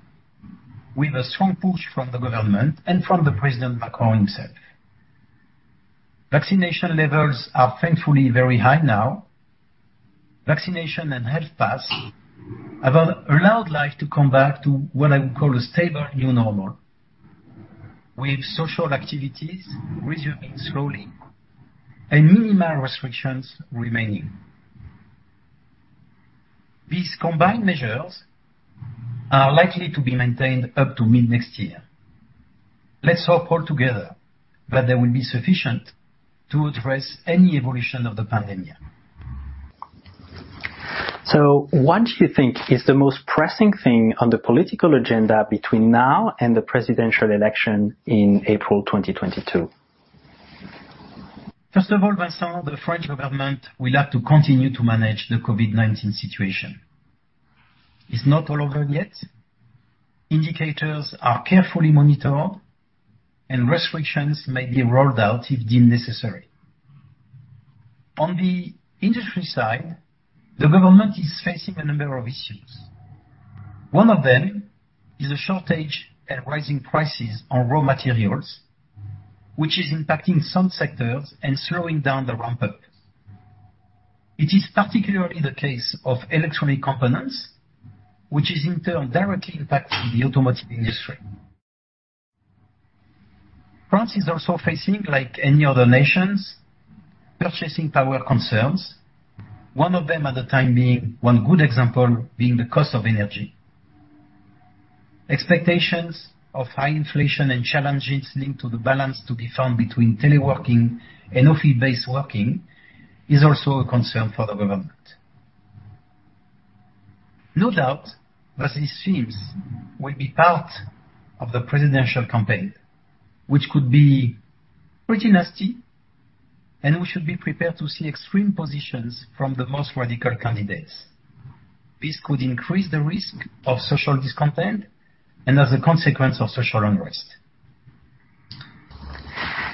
with a strong push from the government and from President Macron himself. Vaccination levels are thankfully very high now. Vaccination and health pass have allowed life to come back to what I would call a stable new normal, with social activities resuming slowly and minimal restrictions remaining. These combined measures are likely to be maintained up to mid-next year. Let's hope all together that they will be sufficient to address any evolution of the pandemic. What do you think is the most pressing thing on the political agenda between now and the presidential election in April 2022? First of all, Vincent, the French government will have to continue to manage the COVID-19 situation. It's not all over yet. Indicators are carefully monitored, and restrictions may be rolled out if deemed necessary. On the industry side, the government is facing a number of issues. One of them is a shortage and rising prices on raw materials, which is impacting some sectors and slowing down the ramp up. It is particularly the case of electronic components, which is in turn directly impacting the automotive industry. France is also facing, like any other nations, purchasing power concerns. One of them at the time being. One good example being the cost of energy. Expectations of high inflation and challenges linked to the balance to be found between teleworking and office-based working is also a concern for the government. No doubt that these themes will be part of the presidential campaign, which could be pretty nasty, and we should be prepared to see extreme positions from the most radical candidates. This could increase the risk of social discontent and, as a consequence, of social unrest.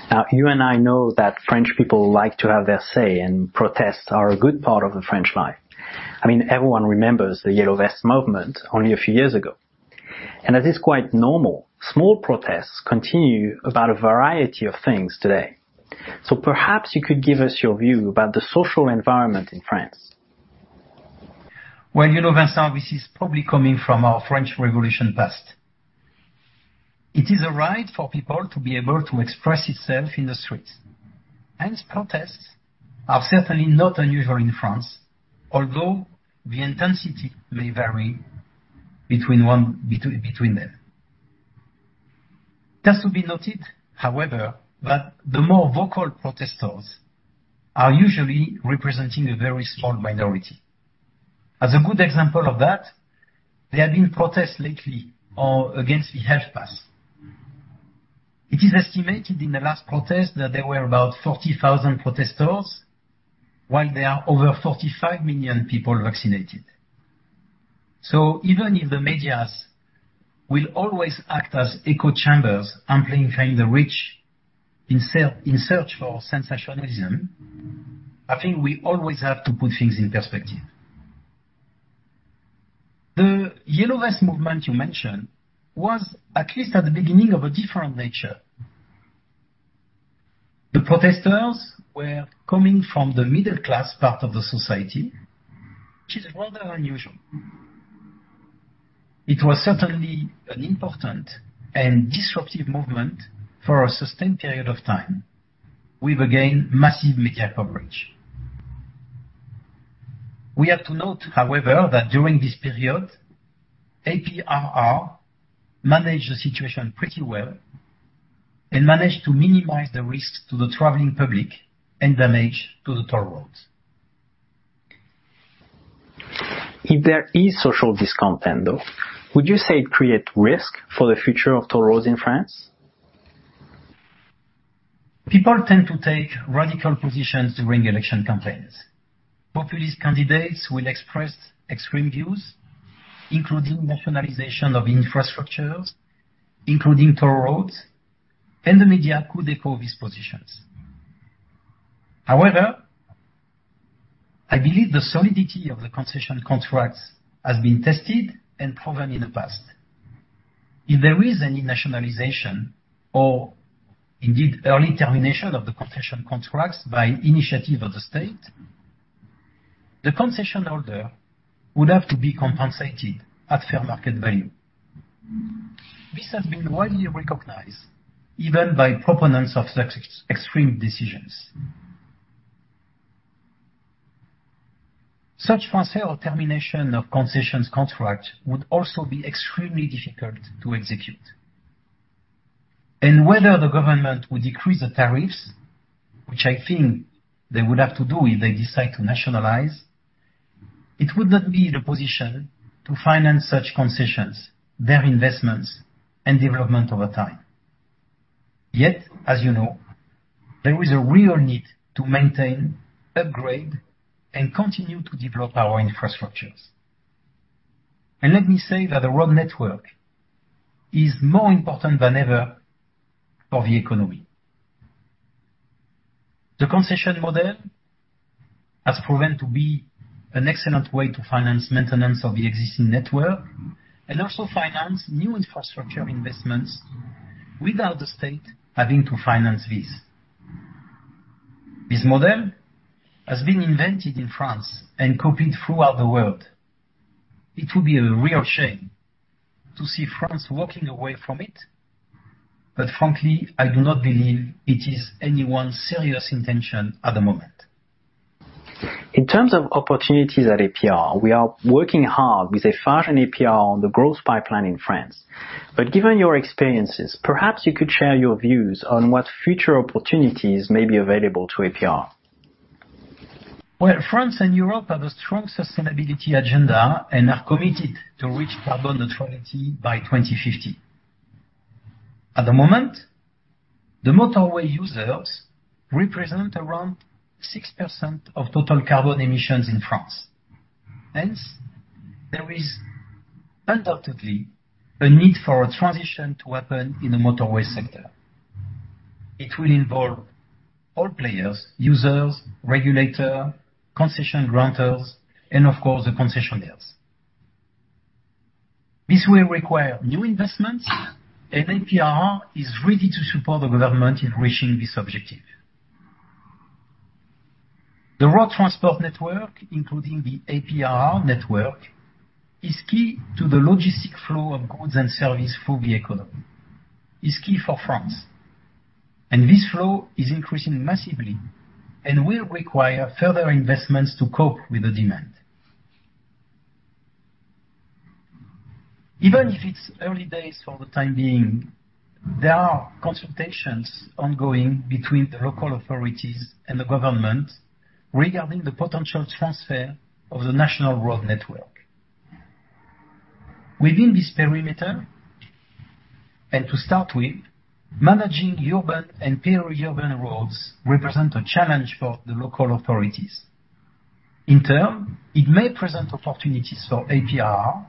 Now, you and I know that French people like to have their say, and protests are a good part of the French life. I mean, everyone remembers the Yellow Vests movement only a few years ago. It is quite normal, small protests continue about a variety of things today. Perhaps you could give us your view about the social environment in France. Well, you know, Vincent, this is probably coming from our French Revolution past. It is a right for people to be able to express itself in the streets, and protests are certainly not unusual in France although the intensity may vary between one, between them. It has to be noted, however, that the more vocal protesters are usually representing a very small minority. As a good example of that, there have been protests lately against the health pass. It is estimated in the last protest that there were about 40,000 protesters while there are over 45 million people vaccinated. Even if the media will always act as echo chambers, amplifying the reach in search for sensationalism, I think we always have to put things in perspective. The Yellow Vests movement you mentioned was at least at the beginning of a different nature. The protesters were coming from the middle class part of the society, which is rather unusual. It was certainly an important and disruptive movement for a sustained period of time with, again, massive media coverage. We have to note, however, that during this period, APRR managed the situation pretty well and managed to minimize the risk to the traveling public and damage to the toll roads. If there is social discontent, though, would you say it creates risk for the future of toll roads in France? People tend to take radical positions during election campaigns. Populist candidates will express extreme views, including nationalization of infrastructures, including toll roads, and the media could echo these positions. However, I believe the solidity of the concession contracts has been tested and proven in the past. If there is any nationalization or indeed early termination of the concession contracts by initiative of the state, the concession holder would have to be compensated at fair market value. This has been widely recognized, even by proponents of such extreme decisions. Such wholesale termination of concessions contract would also be extremely difficult to execute. Whether the government would decrease the tariffs, which I think they would have to do if they decide to nationalize, it would not be in a position to finance such concessions, their investments, and development over time. Yet, as you know, there is a real need to maintain, upgrade, and continue to develop our infrastructures. Let me say that the road network is more important than ever for the economy. The concession model has proven to be an excellent way to finance maintenance of the existing network and also finance new infrastructure investments without the state having to finance this. This model has been invented in France and copied throughout the world. It would be a real shame to see France walking away from it. Frankly, I do not believe it is anyone's serious intention at the moment. In terms of opportunities at APRR, we are working hard with Eiffage and APRR on the growth pipeline in France. Given your experiences, perhaps you could share your views on what future opportunities may be available to APRR. Well, France and Europe have a strong sustainability agenda and are committed to reach carbon neutrality by 2050. At the moment, the motorway users represent around 6% of total carbon emissions in France. Hence, there is undoubtedly a need for a transition to happen in the motorway sector. It will involve all players, users, regulator, concession grantors, and of course, the concessionaires. This will require new investments, and APRR is ready to support the government in reaching this objective. The road transport network, including the APRR network, is key to the logistic flow of goods and service for the economy. It is key for France, and this flow is increasing massively and will require further investments to cope with the demand. Even if it's early days for the time being, there are consultations ongoing between the local authorities and the government regarding the potential transfer of the national road network. Within this perimeter, and to start with, managing urban and peri-urban roads represent a challenge for the local authorities. In turn, it may present opportunities for APRR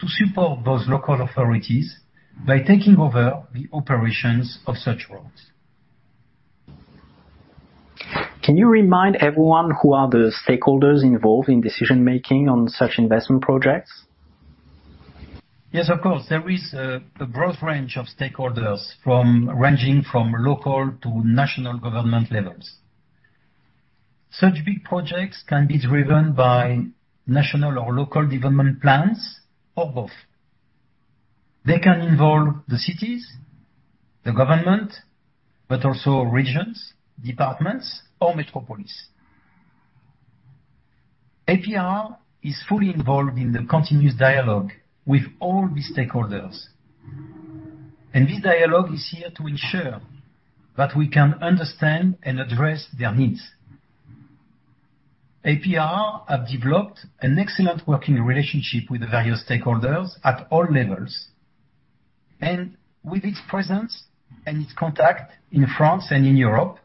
to support those local authorities by taking over the operations of such roads. Can you remind everyone who are the stakeholders involved in decision-making on such investment projects? Yes, of course. There is a broad range of stakeholders ranging from local to national government levels. Such big projects can be driven by national or local development plans or both. They can involve the cities, the government, but also regions, departments, or metropolis. APRR is fully involved in the continuous dialogue with all the stakeholders, and this dialogue is here to ensure that we can understand and address their needs. APRR have developed an excellent working relationship with the various stakeholders at all levels. With its presence and its contact in France and in Europe,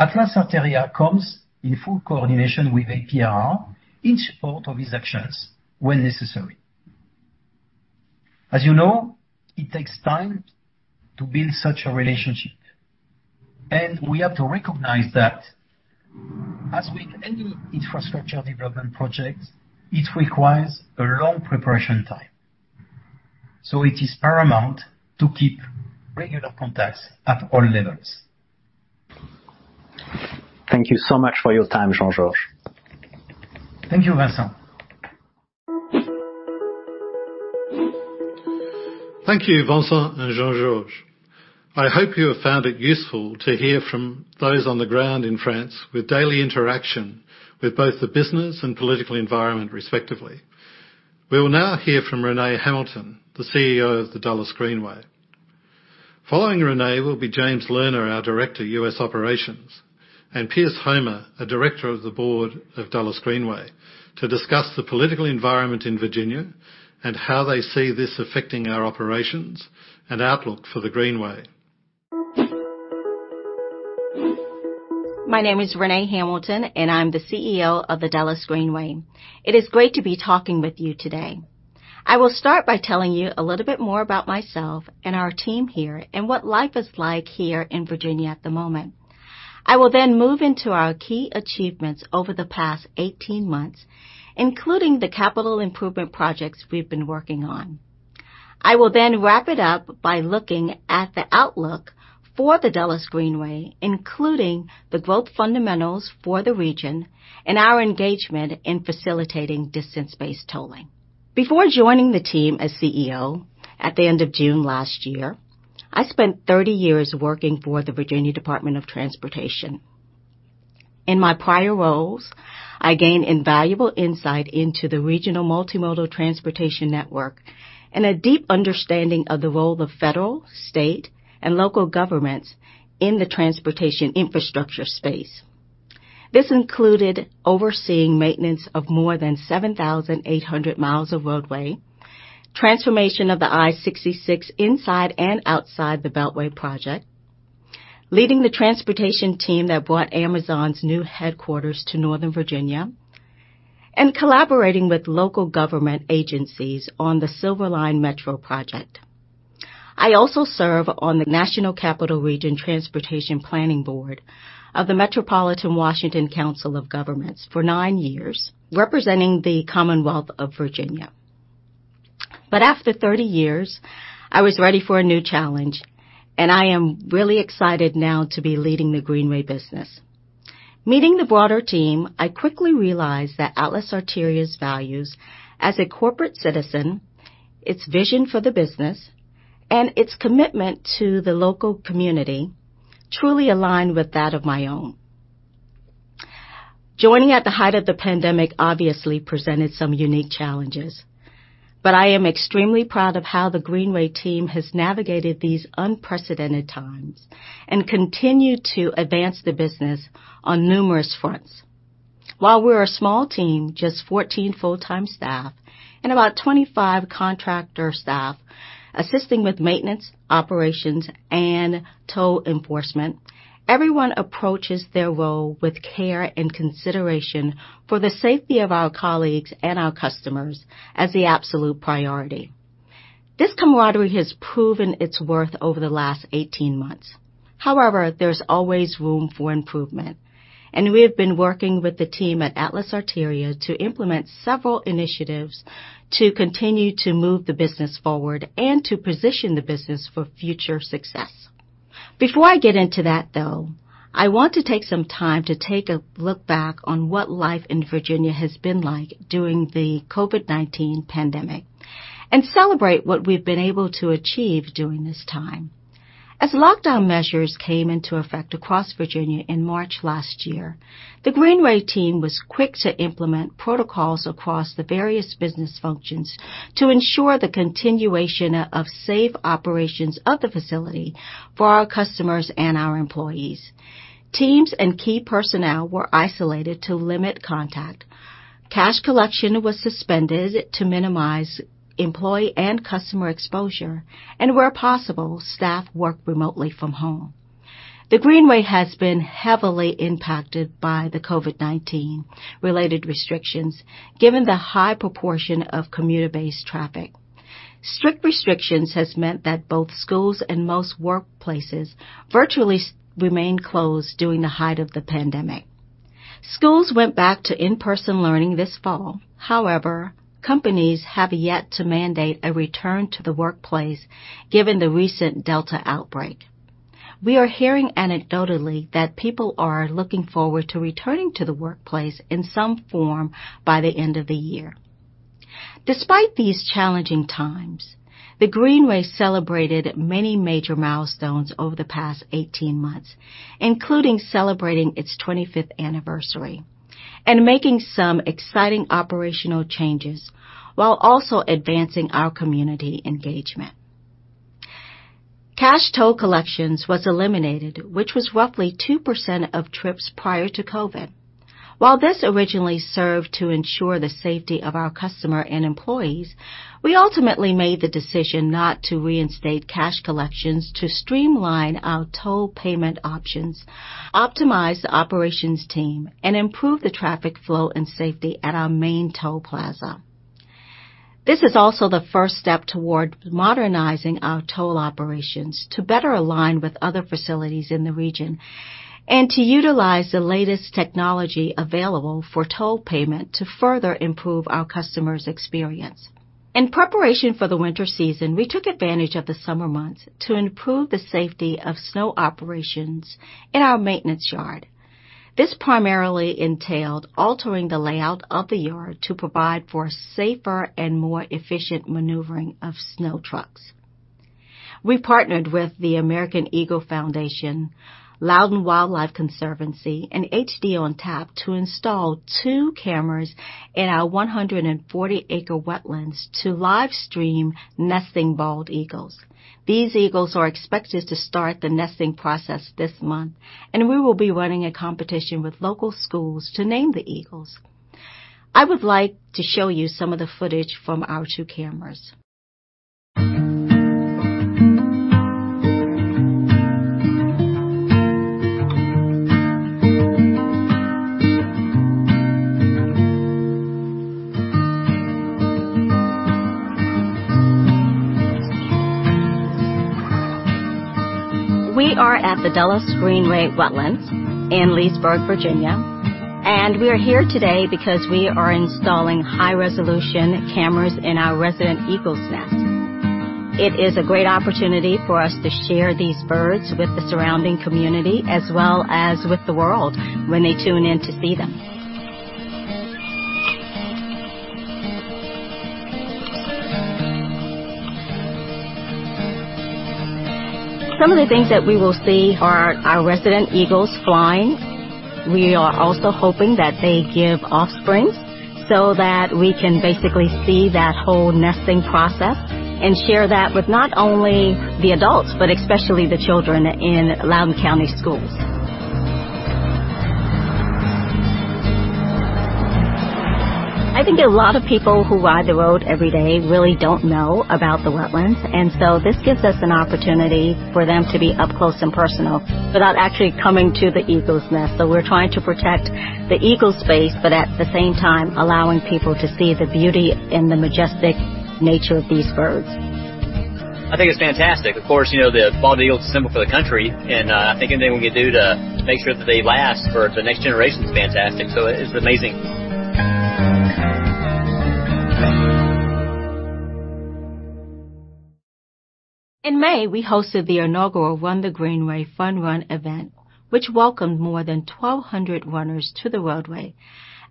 Atlas Arteria comes in full coordination with APRR in support of these actions when necessary. As you know, it takes time to build such a relationship, and we have to recognize that as with any infrastructure development project, it requires a long preparation time. It is paramount to keep regular contacts at all levels. Thank you so much for your time, Jean-Georges. Thank you, Vincent. Thank you, Vincent and Jean-Georges. I hope you have found it useful to hear from those on the ground in France with daily interaction with both the business and political environment respectively. We will now hear from Renée Hamilton, the CEO of the Dulles Greenway. Following Renée will be James Lerner, our Director, U.S. Operations, and Pierce Homer, a Director of the board of Dulles Greenway, to discuss the political environment in Virginia and how they see this affecting our operations and outlook for the Greenway. My name is Renée Hamilton, and I'm the CEO of the Dulles Greenway. It is great to be talking with you today. I will start by telling you a little bit more about myself and our team here and what life is like here in Virginia at the moment. I will then move into our key achievements over the past 18 months, including the capital improvement projects we've been working on. I will then wrap it up by looking at the outlook for the Dulles Greenway, including the growth fundamentals for the region and our engagement in facilitating distance-based tolling. Before joining the team as CEO at the end of June last year, I spent 30 years working for the Virginia Department of Transportation. In my prior roles, I gained invaluable insight into the regional multimodal transportation network and a deep understanding of the role of federal, state, and local governments in the transportation infrastructure space. This included overseeing maintenance of more than 7,800 miles of roadway, transformation of the I-66 inside and outside the Beltway project, leading the transportation team that brought Amazon's new headquarters to Northern Virginia, and collaborating with local government agencies on the Silver Line Metro project. I also serve on the National Capital Region Transportation Planning Board of the Metropolitan Washington Council of Governments for nine years, representing the Commonwealth of Virginia. After 30 years, I was ready for a new challenge, and I am really excited now to be leading the Greenway business. Meeting the broader team, I quickly realized that Atlas Arteria's values as a corporate citizen, its vision for the business, and its commitment to the local community truly aligned with that of my own. Joining at the height of the pandemic obviously presented some unique challenges, but I am extremely proud of how the Greenway team has navigated these unprecedented times and continued to advance the business on numerous fronts. While we're a small team, just 14 full-time staff and about 25 contractor staff assisting with maintenance, operations, and toll enforcement, everyone approaches their role with care and consideration for the safety of our colleagues and our customers as the absolute priority. This camaraderie has proven its worth over the last 18 months. However, there's always room for improvement, and we have been working with the team at Atlas Arteria to implement several initiatives to continue to move the business forward and to position the business for future success. Before I get into that, though, I want to take some time to take a look back on what life in Virginia has been like during the COVID-19 pandemic and celebrate what we've been able to achieve during this time. As lockdown measures came into effect across Virginia in March last year, the Greenway team was quick to implement protocols across the various business functions to ensure the continuation of safe operations of the facility for our customers and our employees. Teams and key personnel were isolated to limit contact. Cash collection was suspended to minimize employee and customer exposure. Where possible, staff worked remotely from home. The Greenway has been heavily impacted by the COVID-19 related restrictions, given the high proportion of commuter-based traffic. Strict restrictions have meant that both schools and most workplaces virtually remained closed during the height of the pandemic. Schools went back to in-person learning this fall. However, companies have yet to mandate a return to the workplace, given the recent Delta outbreak. We are hearing anecdotally that people are looking forward to returning to the workplace in some form by the end of the year. Despite these challenging times, the Greenway celebrated many major milestones over the past 18 months, including celebrating its 25th anniversary and making some exciting operational changes while also advancing our community engagement. Cash toll collections were eliminated, which was roughly 2% of trips prior to COVID. While this originally served to ensure the safety of our customer and employees, we ultimately made the decision not to reinstate cash collections to streamline our toll payment options, optimize the operations team, and improve the traffic flow and safety at our main toll plaza. This is also the first step toward modernizing our toll operations to better align with other facilities in the region and to utilize the latest technology available for toll payment to further improve our customers' experience. In preparation for the winter season, we took advantage of the summer months to improve the safety of snow operations in our maintenance yard. This primarily entailed altering the layout of the yard to provide for safer and more efficient maneuvering of snow trucks. We partnered with the American Eagle Foundation, Loudoun Wildlife Conservancy, and HDOnTap to install two cameras in our 140-acre wetlands to live stream nesting bald eagles. These eagles are expected to start the nesting process this month, and we will be running a competition with local schools to name the eagles. I would like to show you some of the footage from our two cameras. We are at the Dulles Greenway Wetlands in Leesburg, Virginia. We are here today because we are installing high-resolution cameras in our resident eagle's nest. It is a great opportunity for us to share these birds with the surrounding community as well as with the world when they tune in to see them. Some of the things that we will see are our resident eagles flying. We are also hoping that they give offspring so that we can basically see that whole nesting process and share that with not only the adults, but especially the children in Loudoun County schools. I think a lot of people who ride the road every day really don't know about the wetlands. This gives us an opportunity for them to be up close and personal without actually coming to the eagle's nest. We're trying to protect the eagles' space, but at the same time allowing people to see the beauty and the majestic nature of these birds. I think it's fantastic. Of course, you know, the bald eagle is a symbol for the country. I think anything we can do to make sure that they last for the next generation is fantastic. It's amazing. In May, we hosted the inaugural Run the Greenway fun run event, which welcomed more than 1,200 runners to the roadway,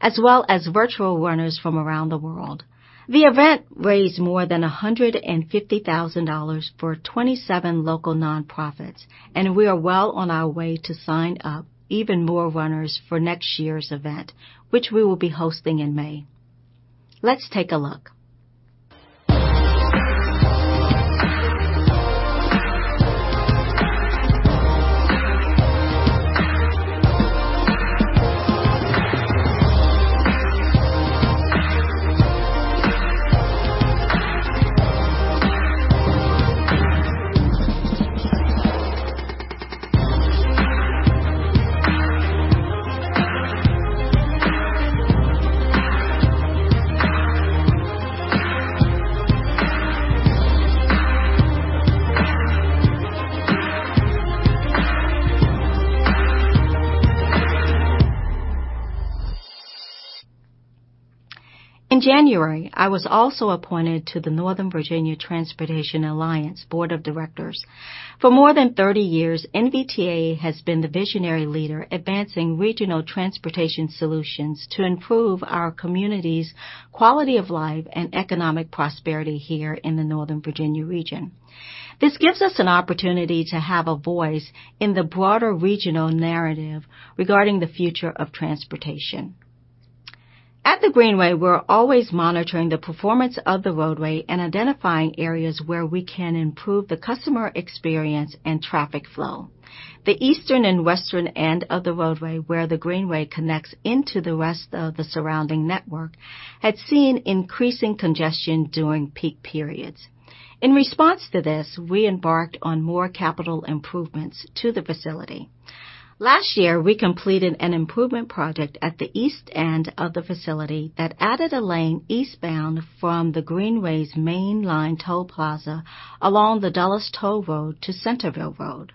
as well as virtual runners from around the world. The event raised more than $150,000 for 27 local nonprofits, and we are well on our way to sign up even more runners for next year's event, which we will be hosting in May. Let's take a look. In January, I was also appointed to the Northern Virginia Transportation Alliance Board of Directors. For more than 30 years, NVTA has been the visionary leader advancing regional transportation solutions to improve our community's quality of life and economic prosperity here in the Northern Virginia region. This gives us an opportunity to have a voice in the broader regional narrative regarding the future of transportation. At the Greenway, we're always monitoring the performance of the roadway and identifying areas where we can improve the customer experience and traffic flow. The eastern and western end of the roadway, where the Greenway connects into the rest of the surrounding network, had seen increasing congestion during peak periods. In response to this, we embarked on more capital improvements to the facility. Last year, we completed an improvement project at the east end of the facility that added a lane eastbound from the Greenway's mainline toll plaza along the Dulles Toll Road to Centreville Road.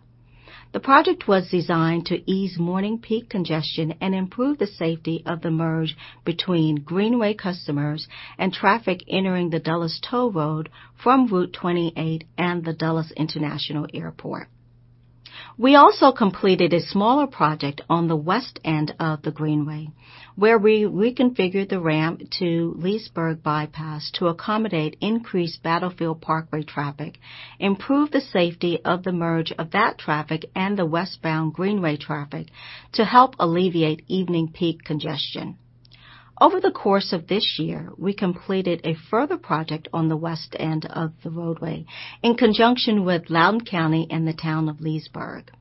The project was designed to ease morning peak congestion and improve the safety of the merge between Greenway customers and traffic entering the Dulles Toll Road from Route 28 and the Dulles International Airport. We also completed a smaller project on the west end of the Greenway, where we reconfigured the ramp to Leesburg Bypass to accommodate increased Battlefield Parkway traffic, improve the safety of the merge of that traffic and the westbound Greenway traffic to help alleviate evening peak congestion. Over the course of this year, we completed a further project on the west end of the roadway in conjunction with Loudoun County and the town of Leesburg.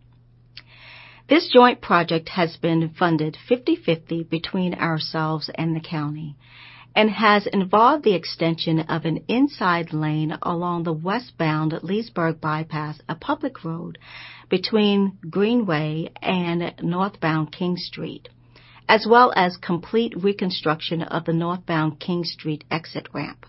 This joint project has been funded 50/50 between ourselves and the county and has involved the extension of an inside lane along the westbound Leesburg Bypass, a public road between Greenway and northbound King Street, as well as complete reconstruction of the northbound King Street exit ramp.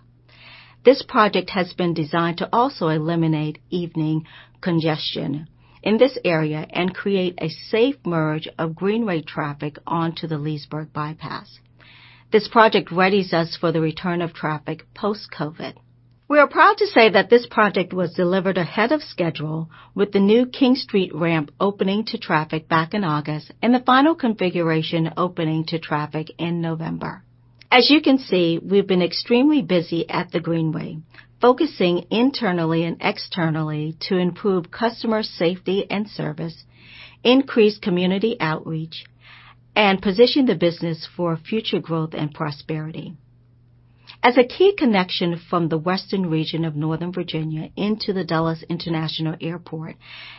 This project has been designed to also eliminate evening congestion in this area and create a safe merge of Greenway traffic onto the Leesburg Bypass. This project readies us for the return of traffic post-COVID. We are proud to say that this project was delivered ahead of schedule with the new King Street ramp opening to traffic back in August and the final configuration opening to traffic in November. As you can see, we've been extremely busy at the Greenway, focusing internally and externally to improve customer safety and service, increase community outreach, and position the business for future growth and prosperity. As a key connection from the western region of Northern Virginia into the Dulles International Airport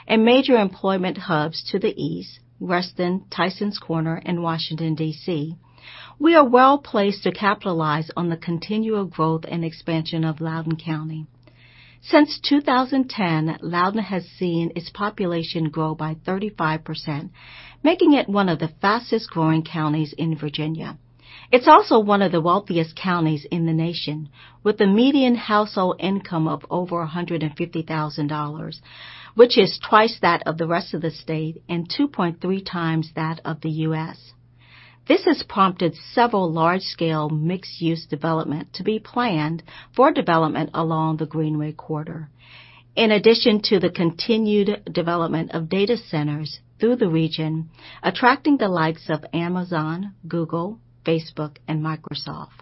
and major employment hubs to the east, Reston, Tysons Corner, and Washington, D.C., we are well-placed to capitalize on the continual growth and expansion of Loudoun County. Since 2010, Loudoun has seen its population grow by 35%, making it one of the fastest-growing counties in Virginia. It's also one of the wealthiest counties in the nation, with a median household income of over $150,000, which is twice that of the rest of the state and 2.3 times that of the U.S. This has prompted several large-scale mixed-use development to be planned for development along the Greenway corridor in addition to the continued development of data centers through the region, attracting the likes of Amazon, Google, Facebook, and Microsoft.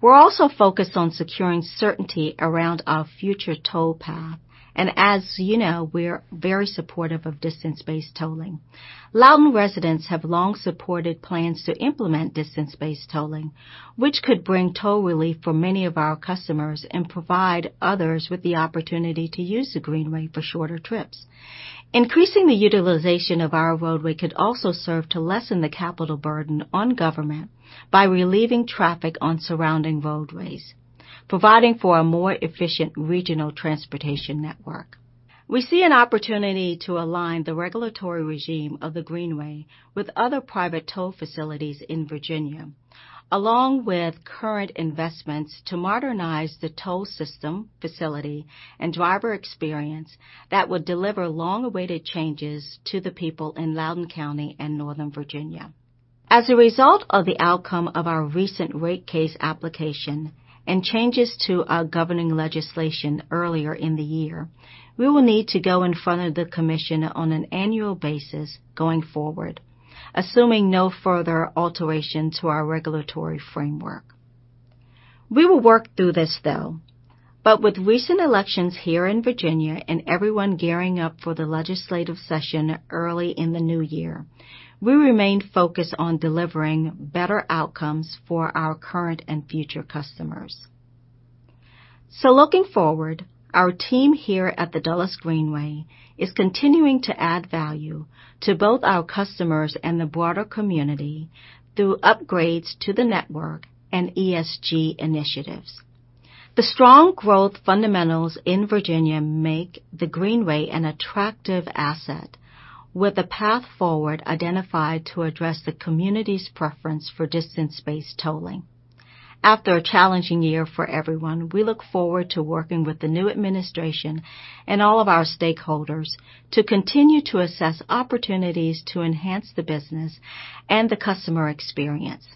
We're also focused on securing certainty around our future toll path, and as you know, we're very supportive of distance-based tolling. Loudoun residents have long supported plans to implement distance-based tolling, which could bring toll relief for many of our customers and provide others with the opportunity to use the Greenway for shorter trips. Increasing the utilization of our roadway could also serve to lessen the capital burden on government by relieving traffic on surrounding roadways, providing for a more efficient regional transportation network. We see an opportunity to align the regulatory regime of the Greenway with other private toll facilities in Virginia, along with current investments to modernize the toll system, facility, and driver experience that would deliver long-awaited changes to the people in Loudoun County and Northern Virginia. A result of the outcome of our recent rate case application and changes to our governing legislation earlier in the year, we will need to go in front of the commission on an annual basis going forward, assuming no further alteration to our regulatory framework. We will work through this though, but with recent elections here in Virginia and everyone gearing up for the legislative session early in the new year, we remain focused on delivering better outcomes for our current and future customers. Looking forward, our team here at the Dulles Greenway is continuing to add value to both our customers and the broader community through upgrades to the network and ESG initiatives. The strong growth fundamentals in Virginia make the Greenway an attractive asset with a path forward identified to address the community's preference for distance-based tolling. After a challenging year for everyone, we look forward to working with the new administration and all of our stakeholders to continue to assess opportunities to enhance the business and the customer experience.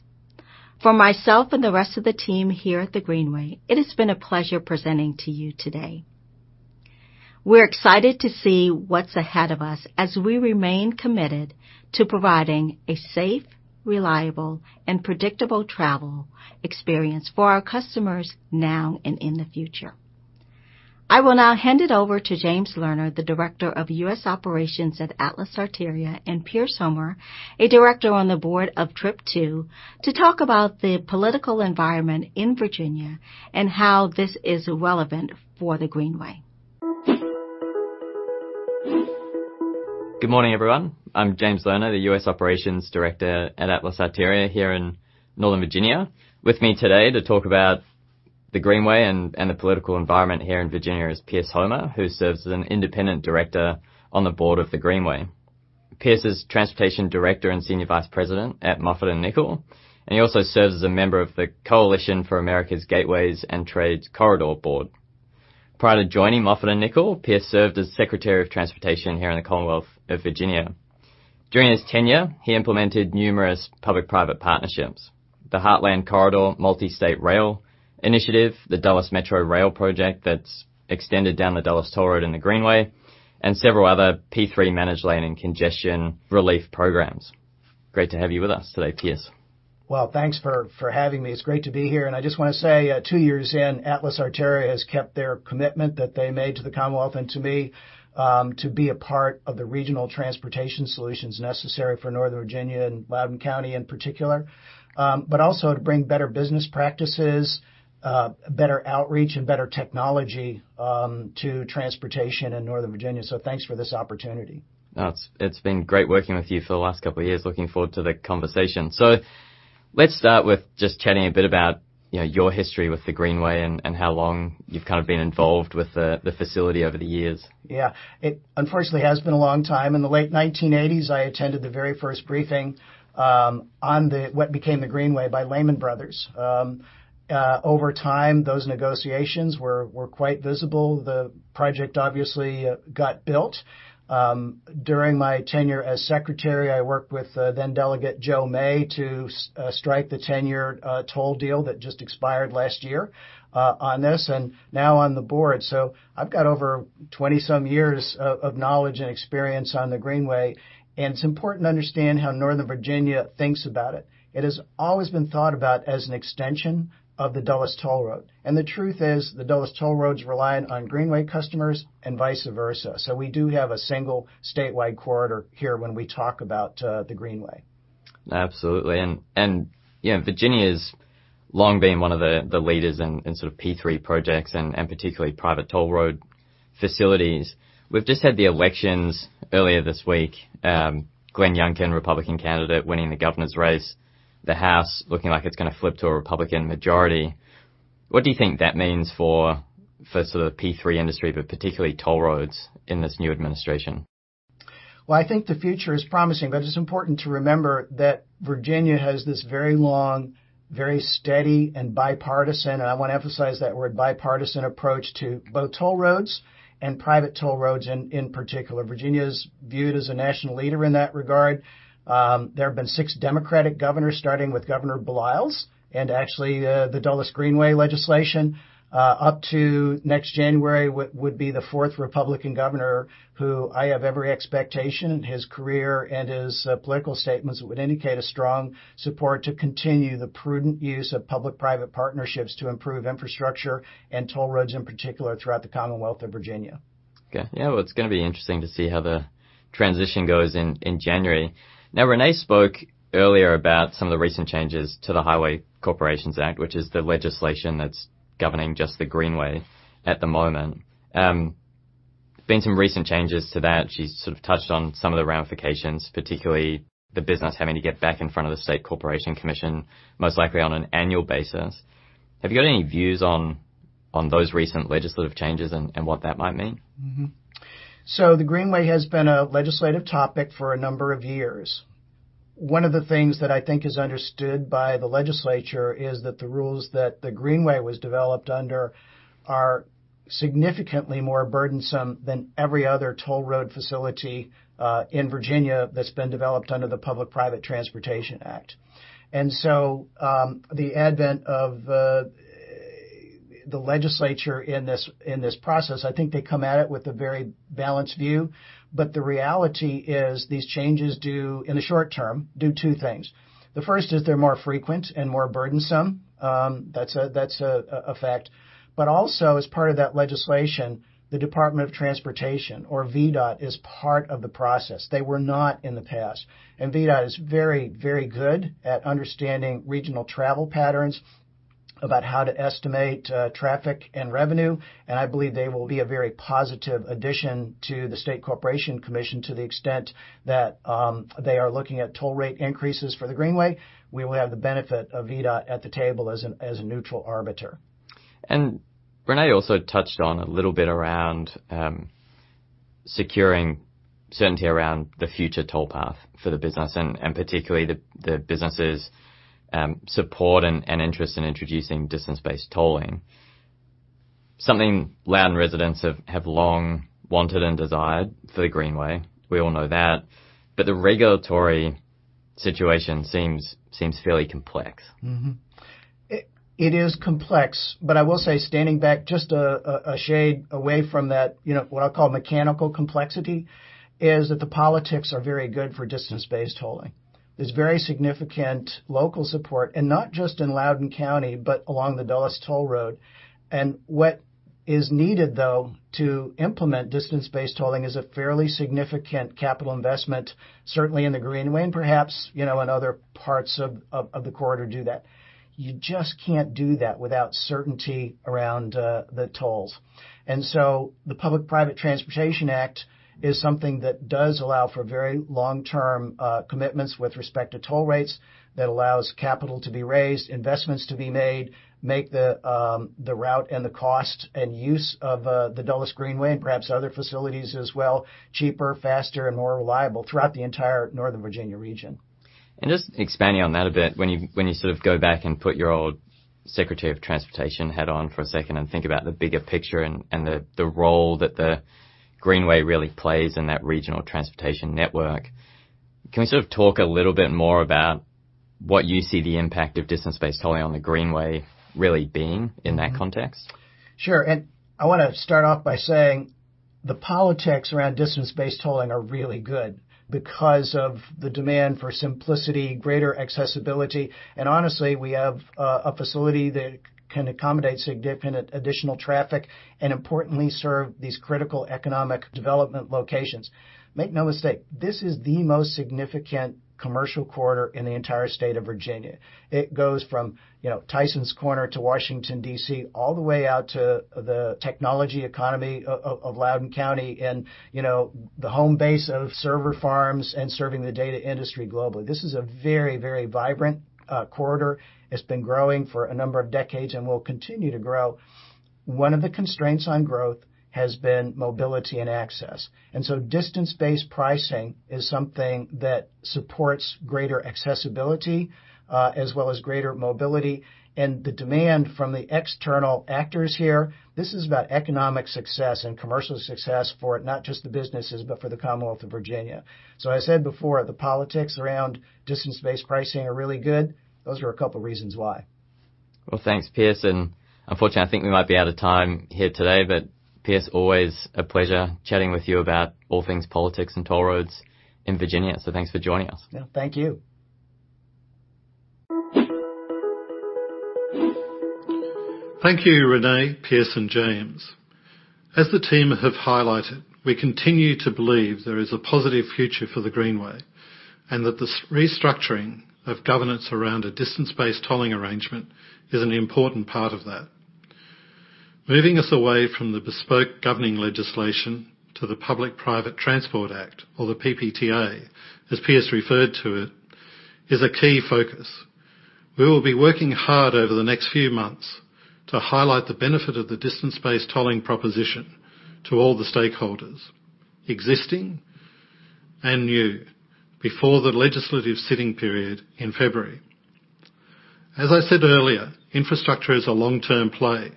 For myself and the rest of the team here at the Greenway, it has been a pleasure presenting to you today. We're excited to see what's ahead of us as we remain committed to providing a safe, reliable, and predictable travel experience for our customers now and in the future. I will now hand it over to James Lerner, the Director of U.S. Operations at Atlas Arteria, and Pierce Homer, a Director on the Board of TRIP II, to talk about the political environment in Virginia and how this is relevant for the Greenway. Good morning, everyone. I'm James Lerner, the U.S. Operations Director at Atlas Arteria here in Northern Virginia. With me today to talk about the Greenway and the political environment here in Virginia is Pierce Homer, who serves as an independent director on the board of the Greenway. Pierce is Transportation Director and Senior Vice President at Moffatt & Nichol, and he also serves as a member of the Coalition for America's Gateways and Trade Corridors. Prior to joining Moffatt & Nichol, Pierce served as Secretary of Transportation here in the Commonwealth of Virginia. During his tenure, he implemented numerous public-private partnerships, the Heartland Corridor Multi-State Rail Initiative, the Dulles Metro Rail project that's extended down the Dulles Toll Road in the Greenway, and several other P3 managed lane and congestion relief programs. Great to have you with us today, Pierce. Well, thanks for having me. It's great to be here. I just wanna say, two years in, Atlas Arteria has kept their commitment that they made to the Commonwealth and to me, to be a part of the regional transportation solutions necessary for Northern Virginia and Loudoun County in particular, but also to bring better business practices, better outreach and better technology, to transportation in Northern Virginia. Thanks for this opportunity. No, it's been great working with you for the last couple years. Looking forward to the conversation. Let's start with just chatting a bit about, you know, your history with the Greenway and how long you've kind of been involved with the facility over the years. It unfortunately has been a long time. In the late 1980s, I attended the very first briefing on what became the Greenway by Lehman Brothers. Over time, those negotiations were quite visible. The project obviously got built. During my tenure as secretary, I worked with then Delegate Joe May to strike the 10-year toll deal that just expired last year on this, and now on the board. I've got over 20-some years of knowledge and experience on the Greenway, and it's important to understand how Northern Virginia thinks about it. It has always been thought about as an extension of the Dulles Toll Road. The truth is, the Dulles Toll Road's reliant on Greenway customers and vice versa. We do have a single statewide corridor here when we talk about the Greenway. Absolutely. You know, Virginia's long been one of the leaders in sort of P3 projects and particularly private toll road facilities. We've just had the elections earlier this week. Glenn Youngkin, Republican candidate, winning the governor's race. The House looking like it's gonna flip to a Republican majority. What do you think that means for sort of P3 industry, but particularly toll roads in this new administration? Well, I think the future is promising, but it's important to remember that Virginia has this very long, very steady and bipartisan, and I wanna emphasize that word, bipartisan approach to both toll roads and private toll roads in particular. Virginia's viewed as a national leader in that regard. There have been six Democratic governors, starting with Governor Baliles. Actually, the Dulles Greenway legislation, up to next January would be the fourth Republican governor who I have every expectation in his career and his political statements would indicate a strong support to continue the prudent use of public-private partnerships to improve infrastructure and toll roads in particular throughout the Commonwealth of Virginia. Okay. Yeah, well, it's gonna be interesting to see how the transition goes in January. Now, Renée spoke earlier about some of the recent changes to the Highway Corporation Act, which is the legislation that's governing just the Greenway at the moment. There have been some recent changes to that. She's sort of touched on some of the ramifications, particularly the business having to get back in front of the State Corporation Commission, most likely on an annual basis. Have you got any views on those recent legislative changes and what that might mean? The Greenway has been a legislative topic for a number of years. One of the things that I think is understood by the legislature is that the rules that the Greenway was developed under are significantly more burdensome than every other toll road facility in Virginia that's been developed under the Public-Private Transportation Act. The advent of the legislature in this process, I think they come at it with a very balanced view, but the reality is these changes in the short term do two things. The first is they're more frequent and more burdensome. That's a fact. Also, as part of that legislation, the Department of Transportation or VDOT is part of the process. They were not in the past. VDOT is very, very good at understanding regional travel patterns about how to estimate traffic and revenue, and I believe they will be a very positive addition to the State Corporation Commission to the extent that they are looking at toll rate increases for the Greenway. We will have the benefit of VDOT at the table as a neutral arbiter. Renée also touched on a little bit around securing certainty around the future toll path for the business and particularly the business' support and interest in introducing distance-based tolling. Something Loudoun residents have long wanted and desired for the Greenway. We all know that. The regulatory situation seems fairly complex. It is complex, but I will say standing back just a shade away from that, you know, what I call mechanical complexity, is that the politics are very good for distance-based tolling. There's very significant local support, and not just in Loudoun County, but along the Dulles Toll Road. What is needed, though, to implement distance-based tolling is a fairly significant capital investment, certainly in the Greenway and perhaps, you know, in other parts of the corridor do that. You just can't do that without certainty around the tolls. The Public-Private Transportation Act is something that does allow for very long-term commitments with respect to toll rates that allows capital to be raised, investments to be made, make the route and the cost and use of the Dulles Greenway and perhaps other facilities as well, cheaper, faster, and more reliable throughout the entire Northern Virginia region. Just expanding on that a bit, when you sort of go back and put your old Secretary of Transportation hat on for a second and think about the bigger picture and the role that the Greenway really plays in that regional transportation network, can we sort of talk a little bit more about what you see the impact of distance-based tolling on the Greenway really being in that context? Sure. I wanna start off by saying the politics around distance-based tolling are really good because of the demand for simplicity, greater accessibility, and honestly, we have a facility that can accommodate significant additional traffic and importantly serve these critical economic development locations. Make no mistake, this is the most significant commercial corridor in the entire state of Virginia. It goes from, you know, Tysons Corner to Washington, D.C., all the way out to the technology economy of Loudoun County and, you know, the home base of server farms and serving the data industry globally. This is a very, very vibrant corridor. It's been growing for a number of decades and will continue to grow. One of the constraints on growth has been mobility and access. Distance-based pricing is something that supports greater accessibility, as well as greater mobility. The demand from the external actors here, this is about economic success and commercial success for not just the businesses, but for the Commonwealth of Virginia. I said before, the politics around distance-based pricing are really good. Those are a couple reasons why. Well, thanks, Pierce, and unfortunately, I think we might be out of time here today. Pierce, always a pleasure chatting with you about all things politics and toll roads in Virginia. Thanks for joining us. Yeah. Thank you. Thank you, Renée, Pierce, and James. As the team have highlighted, we continue to believe there is a positive future for the Greenway, and that this restructuring of governance around a distance-based tolling arrangement is an important part of that. Moving us away from the bespoke governing legislation to the Public-Private Transportation Act, or the PPTA, as Pierce referred to it, is a key focus. We will be working hard over the next few months to highlight the benefit of the distance-based tolling proposition to all the stakeholders, existing and new, before the legislative sitting period in February. As I said earlier, infrastructure is a long-term play,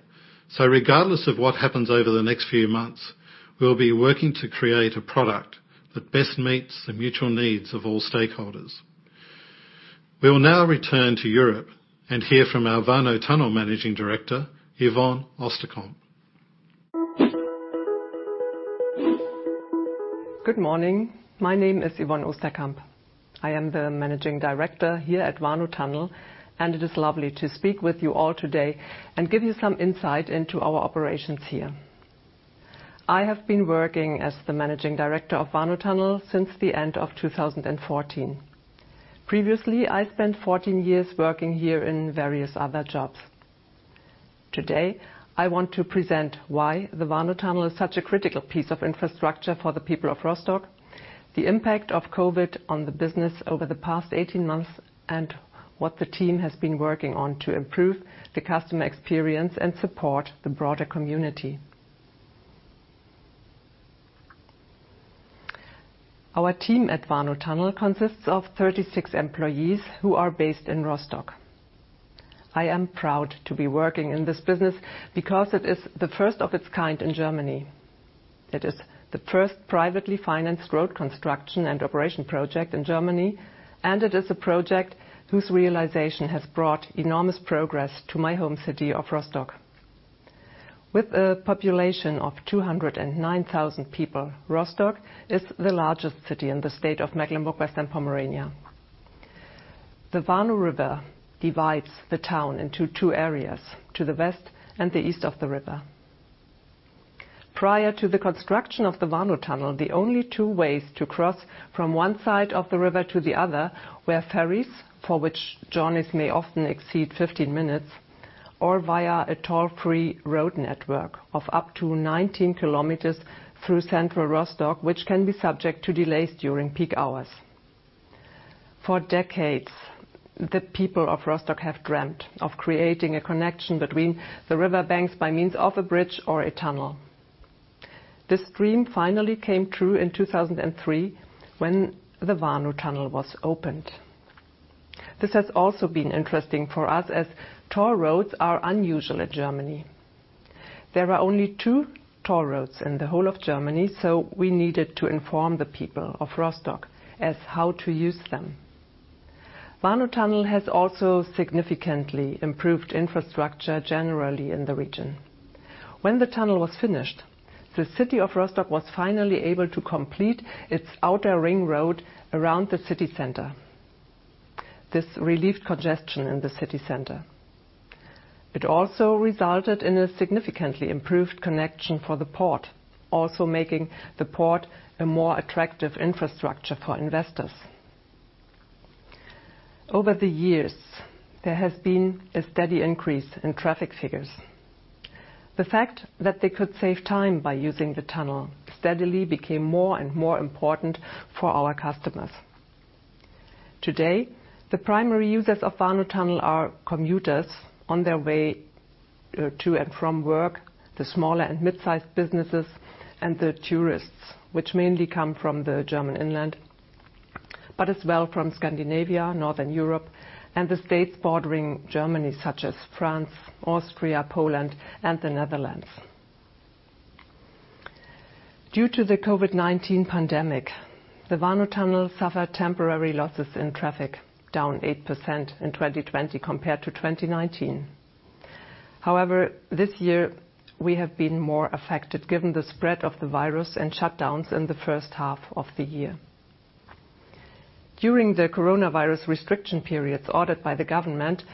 so regardless of what happens over the next few months, we'll be working to create a product that best meets the mutual needs of all stakeholders. We will now return to Europe and hear from our Warnow Tunnel Managing Director, Yvonne Osterkamp. Good morning. My name is Yvonne Osterkamp. I am the Managing Director here at Warnow Tunnel, and it is lovely to speak with you all today and give you some insight into our operations here. I have been working as the Managing Director of Warnow Tunnel since the end of 2014. Previously, I spent 14 years working here in various other jobs. Today, I want to present why the Warnow Tunnel is such a critical piece of infrastructure for the people of Rostock, the impact of COVID on the business over the past 18 months, and what the team has been working on to improve the customer experience and support the broader community. Our team at Warnow Tunnel consists of 36 employees who are based in Rostock. I am proud to be working in this business because it is the first of its kind in Germany. It is the first privately financed road construction and operation project in Germany, and it is a project whose realization has brought enormous progress to my home city of Rostock. With a population of 209,000 people, Rostock is the largest city in the state of Mecklenburg-Western Pomerania. The Warnow River divides the town into two areas, to the west and the east of the river. Prior to the construction of the Warnow Tunnel, the only two ways to cross from one side of the river to the other were ferries, for which journeys may often exceed 15 minutes, or via a toll-free road network of up to 19 km through central Rostock, which can be subject to delays during peak hours. For decades, the people of Rostock have dreamt of creating a connection between the riverbanks by means of a bridge or a tunnel. This dream finally came true in 2003 when the Warnow Tunnel was opened. This has also been interesting for us, as toll roads are unusual in Germany. There are only two toll roads in the whole of Germany, so we needed to inform the people of Rostock as to how to use them. Warnow Tunnel has also significantly improved infrastructure generally in the region. When the tunnel was finished, the city of Rostock was finally able to complete its outer ring road around the city center. This relieved congestion in the city center. It also resulted in a significantly improved connection for the port, also making the port a more attractive infrastructure for investors. Over the years, there has been a steady increase in traffic figures. The fact that they could save time by using the tunnel steadily became more and more important for our customers. Today, the primary users of Warnow Tunnel are commuters on their way to and from work, the smaller and mid-sized businesses, and the tourists, which mainly come from the German inland, but as well from Scandinavia, Northern Europe, and the states bordering Germany, such as France, Austria, Poland, and the Netherlands. Due to the COVID-19 pandemic, the Warnow Tunnel suffered temporary losses in traffic, down 8% in 2020 compared to 2019. However, this year we have been more affected given the spread of the virus and shutdowns in the first half of the year. During the coronavirus restriction periods ordered by the government,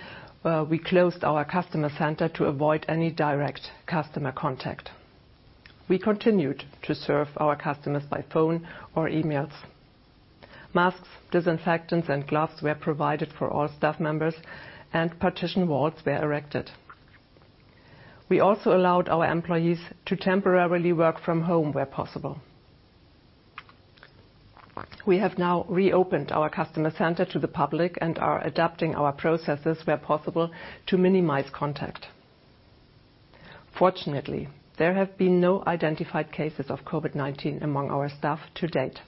we closed our customer center to avoid any direct customer contact. We continued to serve our customers by phone or emails. Masks, disinfectants, and gloves were provided for all staff members and partition walls were erected. We also allowed our employees to temporarily work from home where possible. We have now reopened our customer center to the public and are adapting our processes where possible to minimize contact. Fortunately, there have been no identified cases of COVID-19 among our staff to date.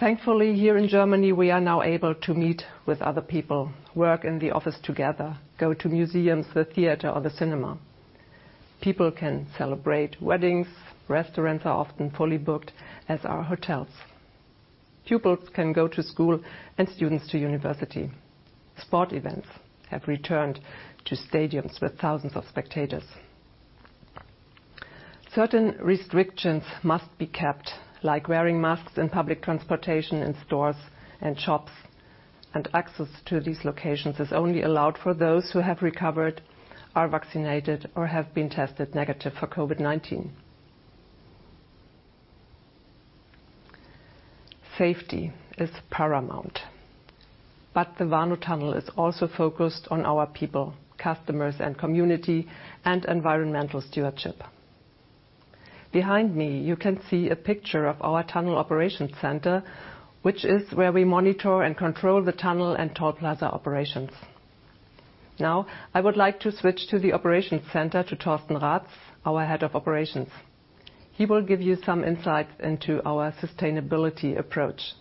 Thankfully, here in Germany, we are now able to meet with other people, work in the office together, go to museums, the theater, or the cinema. People can celebrate weddings. Restaurants are often fully booked, as are hotels. Pupils can go to school and students to university. Sports events have returned to stadiums with thousands of spectators. Certain restrictions must be kept, like wearing masks in public transportation, in stores and shops, and access to these locations is only allowed for those who have recovered, are vaccinated, or have been tested negative for COVID-19. Safety is paramount, but the Warnow Tunnel is also focused on our people, customers, and community, and environmental stewardship. Behind me, you can see a picture of our tunnel operations center, which is where we monitor and control the tunnel and toll plaza operations. Now, I would like to switch to the operations center to Torsten Raths, our Head of Operations. He will give you some insights into our sustainability approach.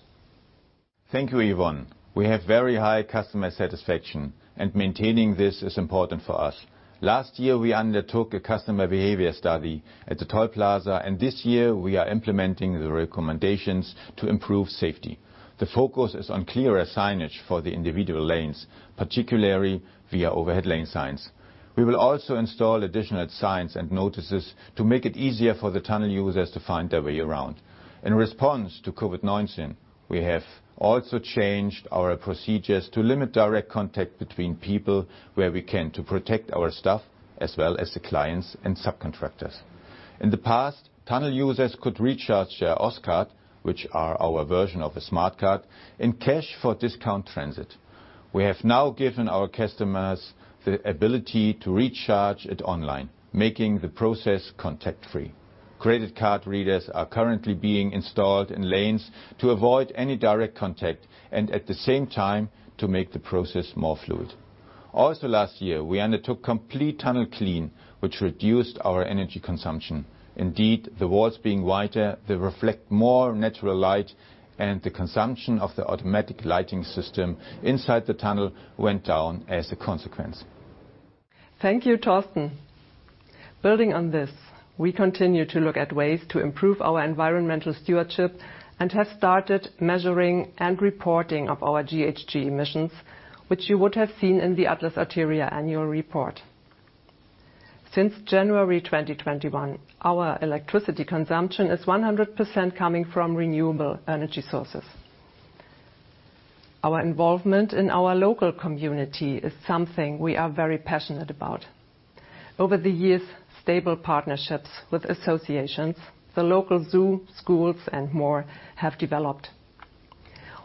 Thank you, Yvonne. We have very high customer satisfaction, and maintaining this is important for us. Last year, we undertook a customer behavior study at the toll plaza, and this year we are implementing the recommendations to improve safety. The focus is on clearer signage for the individual lanes, particularly via overhead lane signs. We will also install additional signs and notices to make it easier for the tunnel users to find their way around. In response to COVID-19, we have also changed our procedures to limit direct contact between people where we can to protect our staff, as well as the clients and subcontractors. In the past, tunnel users could recharge their Oscard, which are our version of a smart card, in cash for discount transit. We have now given our customers the ability to recharge it online, making the process contact-free. Credit card readers are currently being installed in lanes to avoid any direct contact and at the same time to make the process more fluid. Also last year, we undertook complete tunnel cleaning, which reduced our energy consumption. Indeed, the walls being whiter, they reflect more natural light, and the consumption of the automatic lighting system inside the tunnel went down as a consequence. Thank you, Torsten. Building on this, we continue to look at ways to improve our environmental stewardship and have started measuring and reporting of our GHG emissions, which you would have seen in the Atlas Arteria annual report. Since January 2021, our electricity consumption is 100% coming from renewable energy sources. Our involvement in our local community is something we are very passionate about. Over the years, stable partnerships with associations, the local zoo, schools, and more have developed.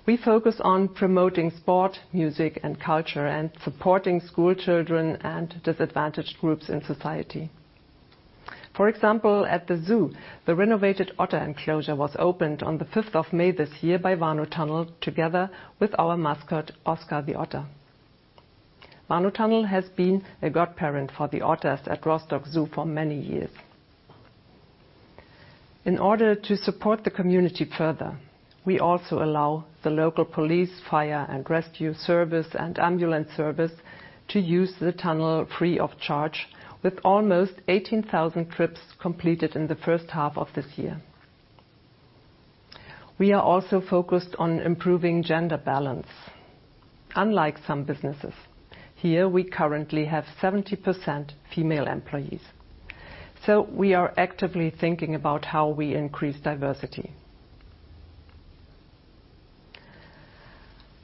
We focus on promoting sport, music, and culture, and supporting schoolchildren and disadvantaged groups in society. For example, at the zoo, the renovated otter enclosure was opened on the 5th of May this year by Warnow Tunnel together with our mascot, Oskar the Otter. Warnow Tunnel has been a godparent for the otters at Rostock Zoo for many years. In order to support the community further, we also allow the local police, fire and rescue service, and ambulance service to use the tunnel free of charge with almost 18,000 trips completed in the first half of this year. We are also focused on improving gender balance. Unlike some businesses, here we currently have 70% female employees. We are actively thinking about how we increase diversity.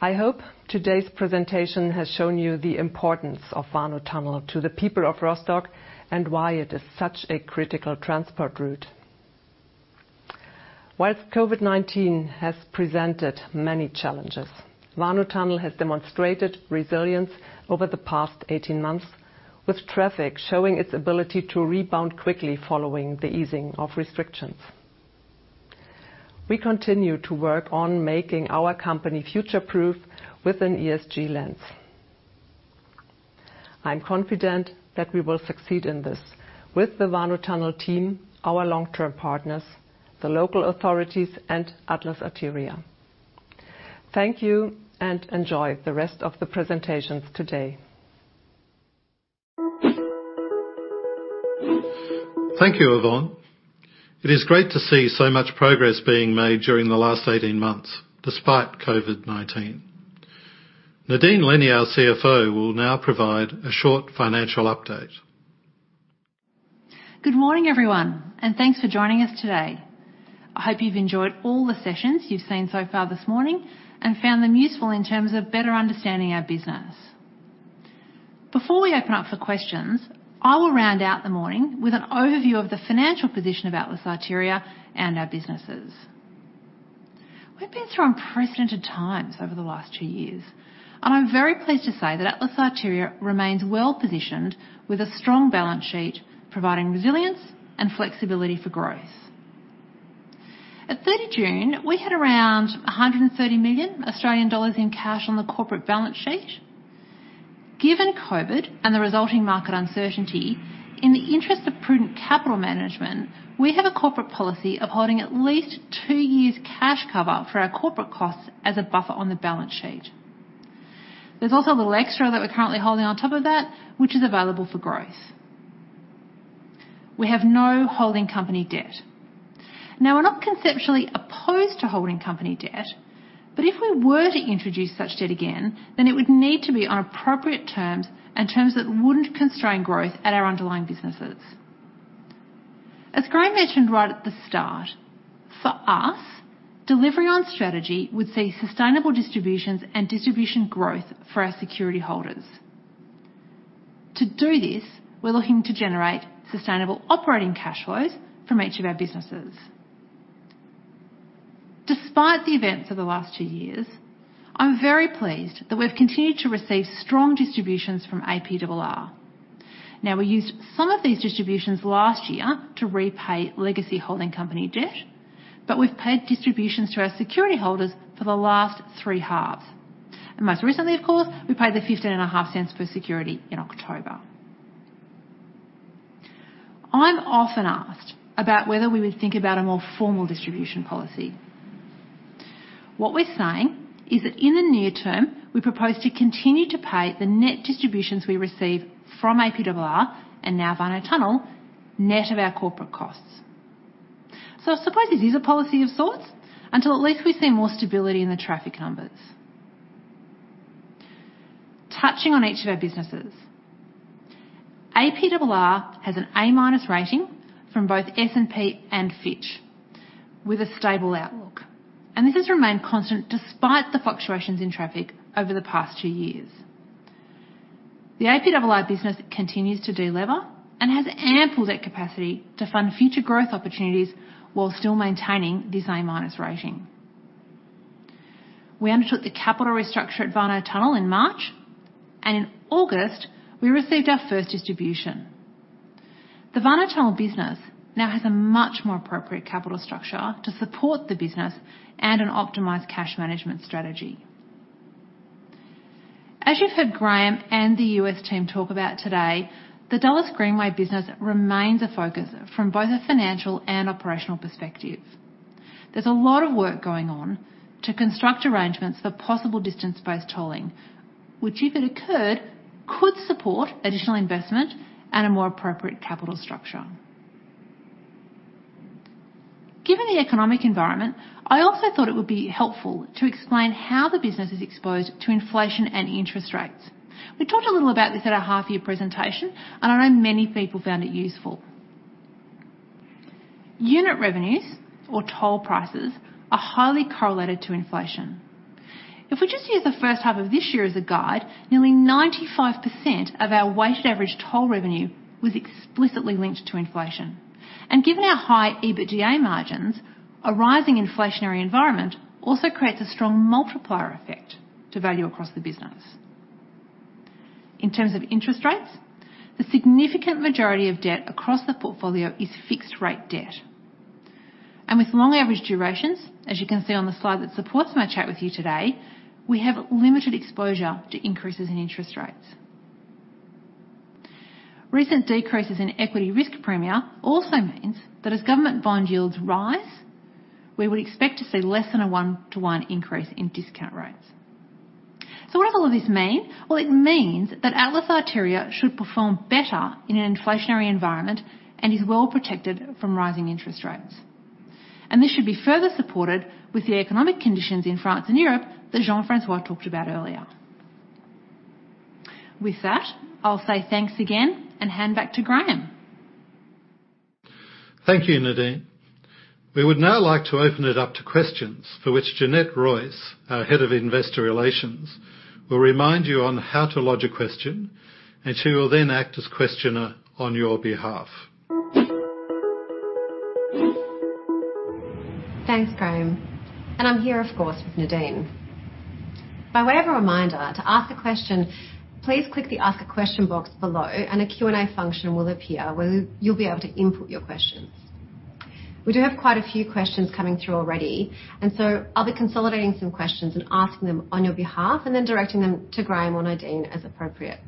I hope today's presentation has shown you the importance of Warnow Tunnel to the people of Rostock and why it is such a critical transport route. While COVID-19 has presented many challenges, Warnow Tunnel has demonstrated resilience over the past 18 months, with traffic showing its ability to rebound quickly following the easing of restrictions. We continue to work on making our company future-proof with an ESG lens. I'm confident that we will succeed in this with the Warnow Tunnel team, our long-term partners, the local authorities, and Atlas Arteria. Thank you, and enjoy the rest of the presentations today. Thank you, Yvonne. It is great to see so much progress being made during the last 18 months despite COVID-19. Nadine Lennie, our CFO, will now provide a short financial update. Good morning, everyone, and thanks for joining us today. I hope you've enjoyed all the sessions you've seen so far this morning and found them useful in terms of better understanding our business. Before we open up for questions, I will round out the morning with an overview of the financial position of Atlas Arteria and our businesses. We've been through unprecedented times over the last two years, and I'm very pleased to say that Atlas Arteria remains well positioned with a strong balance sheet, providing resilience and flexibility for growth. At 30 June, we had around 130 million Australian dollars in cash on the corporate balance sheet. Given COVID and the resulting market uncertainty, in the interest of prudent capital management, we have a corporate policy of holding at least two years cash cover for our corporate costs as a buffer on the balance sheet. There's also a little extra that we're currently holding on top of that, which is available for growth. We have no holding company debt. Now, we're not conceptually opposed to holding company debt, but if we were to introduce such debt again, then it would need to be on appropriate terms and terms that wouldn't constrain growth at our underlying businesses. As Graeme mentioned right at the start, for us, delivering on strategy would see sustainable distributions and distribution growth for our security holders. To do this, we're looking to generate sustainable operating cash flows from each of our businesses. Despite the events of the last two years, I'm very pleased that we've continued to receive strong distributions from APRR. Now, we used some of these distributions last year to repay legacy holding company debt, but we've paid distributions to our security holders for the last three halves. Most recently, of course, we paid 0.155 per security in October. I'm often asked about whether we would think about a more formal distribution policy. What we're saying is that in the near term, we propose to continue to pay the net distributions we receive from APRR and now Warnow Tunnel net of our corporate costs. I suppose it is a policy of sorts until at least we see more stability in the traffic numbers. Touching on each of our businesses, APRR has an A- rating from both S&P and Fitch with a stable outlook, and this has remained constant despite the fluctuations in traffic over the past two years. The APRR business continues to delever and has ample debt capacity to fund future growth opportunities while still maintaining this A- rating. We undertook the capital restructure at Warnow Tunnel in March, and in August, we received our first distribution. The Warnow Tunnel business now has a much more appropriate capital structure to support the business and an optimized cash management strategy. As you've heard Graeme and the U.S. team talk about today, the Dulles Greenway business remains a focus from both a financial and operational perspective. There's a lot of work going on to construct arrangements for possible distance-based tolling, which if it occurred, could support additional investment and a more appropriate capital structure. Given the economic environment, I also thought it would be helpful to explain how the business is exposed to inflation and interest rates. We talked a little about this at our half year presentation, and I know many people found it useful. Unit revenues or toll prices are highly correlated to inflation. If we just use the first half of this year as a guide, nearly 95% of our weighted average toll revenue was explicitly linked to inflation. Given our high EBITDA margins, a rising inflationary environment also creates a strong multiplier effect to value across the business. In terms of interest rates, the significant majority of debt across the portfolio is fixed-rate debt. With long average durations, as you can see on the slide that supports my chat with you today, we have limited exposure to increases in interest rates. Recent decreases in equity risk premia also means that as government bond yields rise, we would expect to see less than a one-to-one increase in discount rates. What does all of this mean? Well, it means that Atlas Arteria should perform better in an inflationary environment and is well protected from rising interest rates. This should be further supported with the economic conditions in France and Europe that Jean-François talked about earlier. With that, I'll say thanks again and hand back to Graeme. Thank you, Nadine. We would now like to open it up to questions for which Jeanette Royce, our Head of Investor Relations, will remind you on how to lodge a question, and she will then act as questioner on your behalf. Thanks, Graeme. I'm here, of course, with Nadine. By way of a reminder, to ask a question, please click the Ask a Question box below and a Q&A function will appear where you'll be able to input your questions. We do have quite a few questions coming through already, and so I'll be consolidating some questions and asking them on your behalf and then directing them to Graeme or Nadine as appropriate.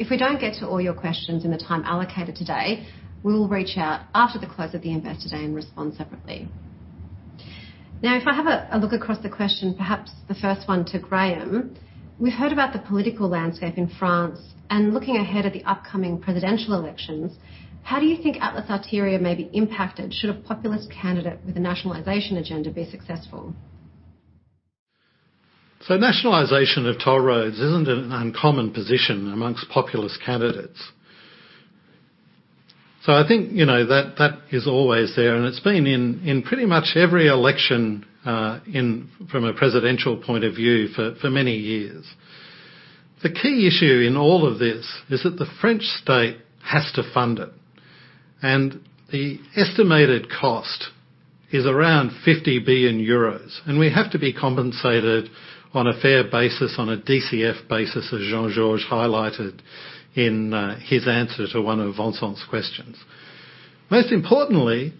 If we don't get to all your questions in the time allocated today, we will reach out after the close of the Investor Day and respond separately. Now, if I have a look across the questions, perhaps the first one to Graeme. We've heard about the political landscape in France, and looking ahead at the upcoming presidential elections, how do you think Atlas Arteria may be impacted should a populist candidate with a nationalization agenda be successful? Nationalization of toll roads isn't an uncommon position amongst populist candidates. I think, you know, that is always there, and it's been in pretty much every election in France from a presidential point of view for many years. The key issue in all of this is that the French state has to fund it, and the estimated cost is around 50 billion euros. We have to be compensated on a fair basis, on a DCF basis, as Jean-Georges highlighted in his answer to one of Vincent's questions. Most importantly,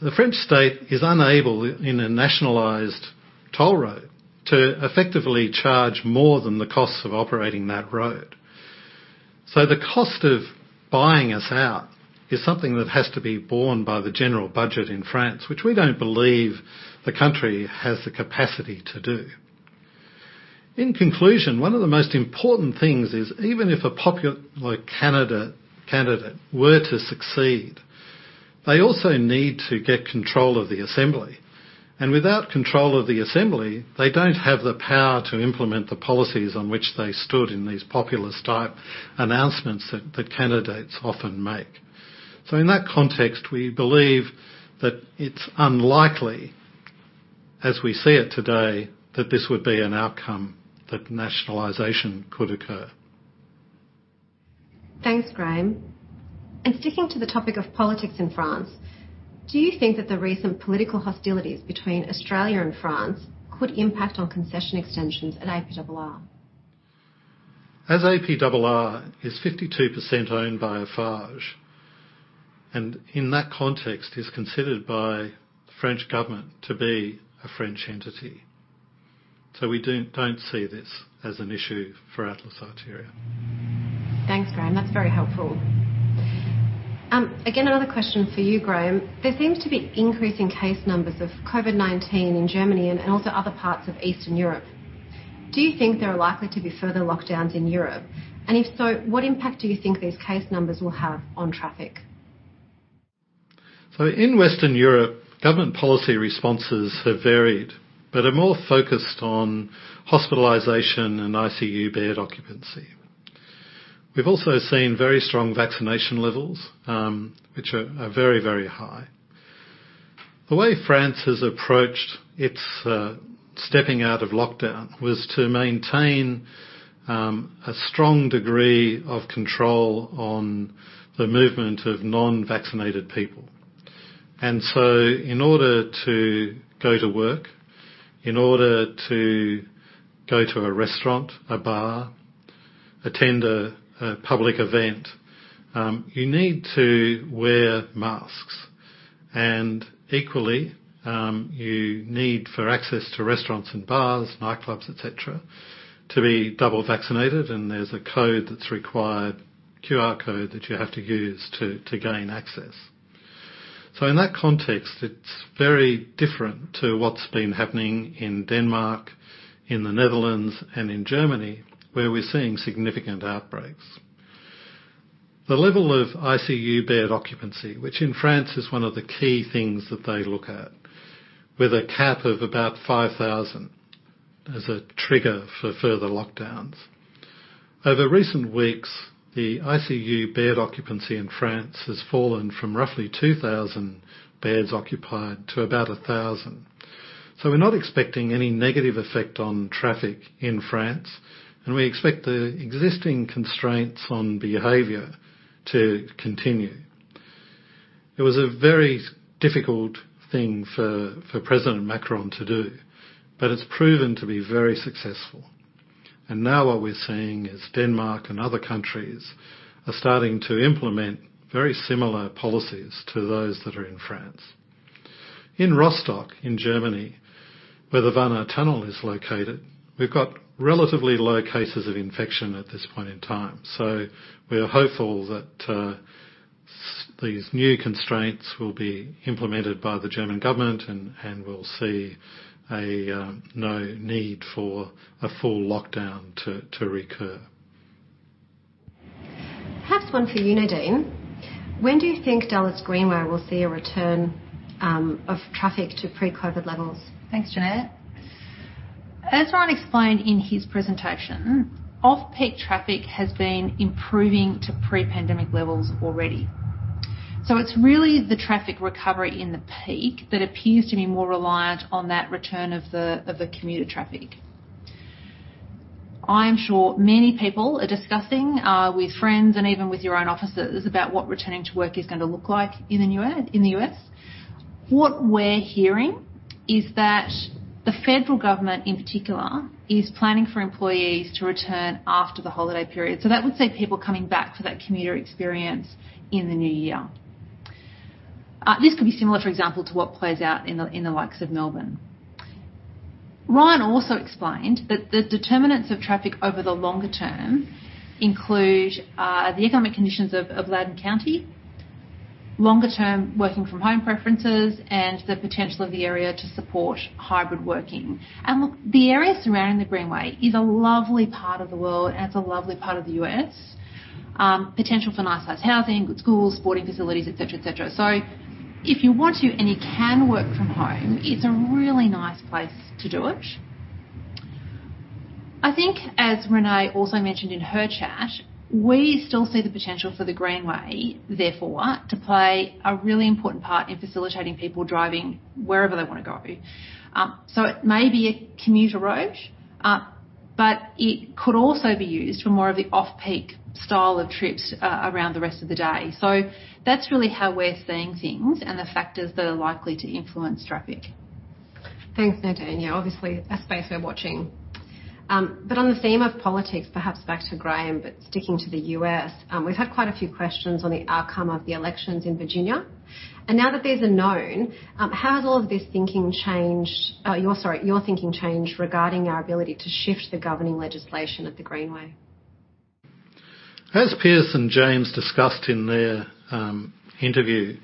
the French state is unable in a nationalized toll road to effectively charge more than the costs of operating that road. The cost of buying us out is something that has to be borne by the general budget in France, which we don't believe the country has the capacity to do. In conclusion, one of the most important things is even if a popular candidate were to succeed, they also need to get control of the assembly, and without control of the assembly, they don't have the power to implement the policies on which they stood in these populist type announcements that the candidates often make. In that context, we believe that it's unlikely, as we see it today, that this would be an outcome that nationalization could occur. Thanks, Graeme. Sticking to the topic of politics in France, do you think that the recent political hostilities between Australia and France could impact on concession extensions at APRR? As APRR is 52% owned by Eiffage, and in that context is considered by French Government to be a French entity. We don't see this as an issue for Atlas Arteria. Thanks, Graeme. That's very helpful. Again, another question for you, Graeme. There seems to be increasing case numbers of COVID-19 in Germany and also other parts of Eastern Europe. Do you think there are likely to be further lockdowns in Europe? If so, what impact do you think these case numbers will have on traffic? In Western Europe, government policy responses have varied but are more focused on hospitalization and ICU bed occupancy. We've also seen very strong vaccination levels, which are very high. The way France has approached its stepping out of lockdown was to maintain a strong degree of control on the movement of non-vaccinated people. In order to go to work, in order to go to a restaurant, a bar, attend a public event, you need to wear masks. Equally, you need, for access to restaurants and bars, nightclubs, et cetera, to be double vaccinated, and there's a code that's required, QR code that you have to use to gain access. In that context, it's very different to what's been happening in Denmark, in the Netherlands, and in Germany, where we're seeing significant outbreaks. The level of ICU bed occupancy, which in France is one of the key things that they look at, with a cap of about 5,000 as a trigger for further lockdowns. Over recent weeks, the ICU bed occupancy in France has fallen from roughly 2,000 beds occupied to about 1,000. We're not expecting any negative effect on traffic in France, and we expect the existing constraints on behavior to continue. It was a very difficult thing for President Macron to do, but it's proven to be very successful. Now what we're seeing is Denmark and other countries are starting to implement very similar policies to those that are in France. In Rostock, in Germany, where the Warnow Tunnel is located, we've got relatively low cases of infection at this point in time, so we are hopeful that these new constraints will be implemented by the German government and we'll see no need for a full lockdown to recur. Perhaps one for you, Nadine. When do you think Dulles Greenway will see a return of traffic to pre-COVID levels? Thanks, Jeanette. As Ryan explained in his presentation, off-peak traffic has been improving to pre-pandemic levels already. It's really the traffic recovery in the peak that appears to be more reliant on that return of the commuter traffic. I am sure many people are discussing with friends and even with your own offices about what returning to work is gonna look like in the U.S. What we're hearing is that the federal government in particular is planning for employees to return after the holiday period, so that would see people coming back to that commuter experience in the new year. This could be similar, for example, to what plays out in the likes of Melbourne. Ryan also explained that the determinants of traffic over the longer term include the economic conditions of Loudoun County, longer-term working from home preferences, and the potential of the area to support hybrid working. Look, the area surrounding the Greenway is a lovely part of the world, and it's a lovely part of the U.S., with potential for nice size housing, good schools, sporting facilities, et cetera, et cetera. If you want to, and you can work from home, it's a really nice place to do it. I think, as Renée also mentioned in her chat, we still see the potential for the Greenway, therefore, to play a really important part in facilitating people driving wherever they wanna go. It may be a commuter road, but it could also be used for more of the off-peak style of trips around the rest of the day. That's really how we're seeing things and the factors that are likely to influence traffic. Thanks, Nadine. Yeah, obviously a space we're watching. On the theme of politics, perhaps back to Graeme, sticking to the U.S., we've had quite a few questions on the outcome of the elections in Virginia. Now that these are known, how has your thinking changed regarding our ability to shift the governing legislation of the Greenway? As Pierce and James discussed in their interview,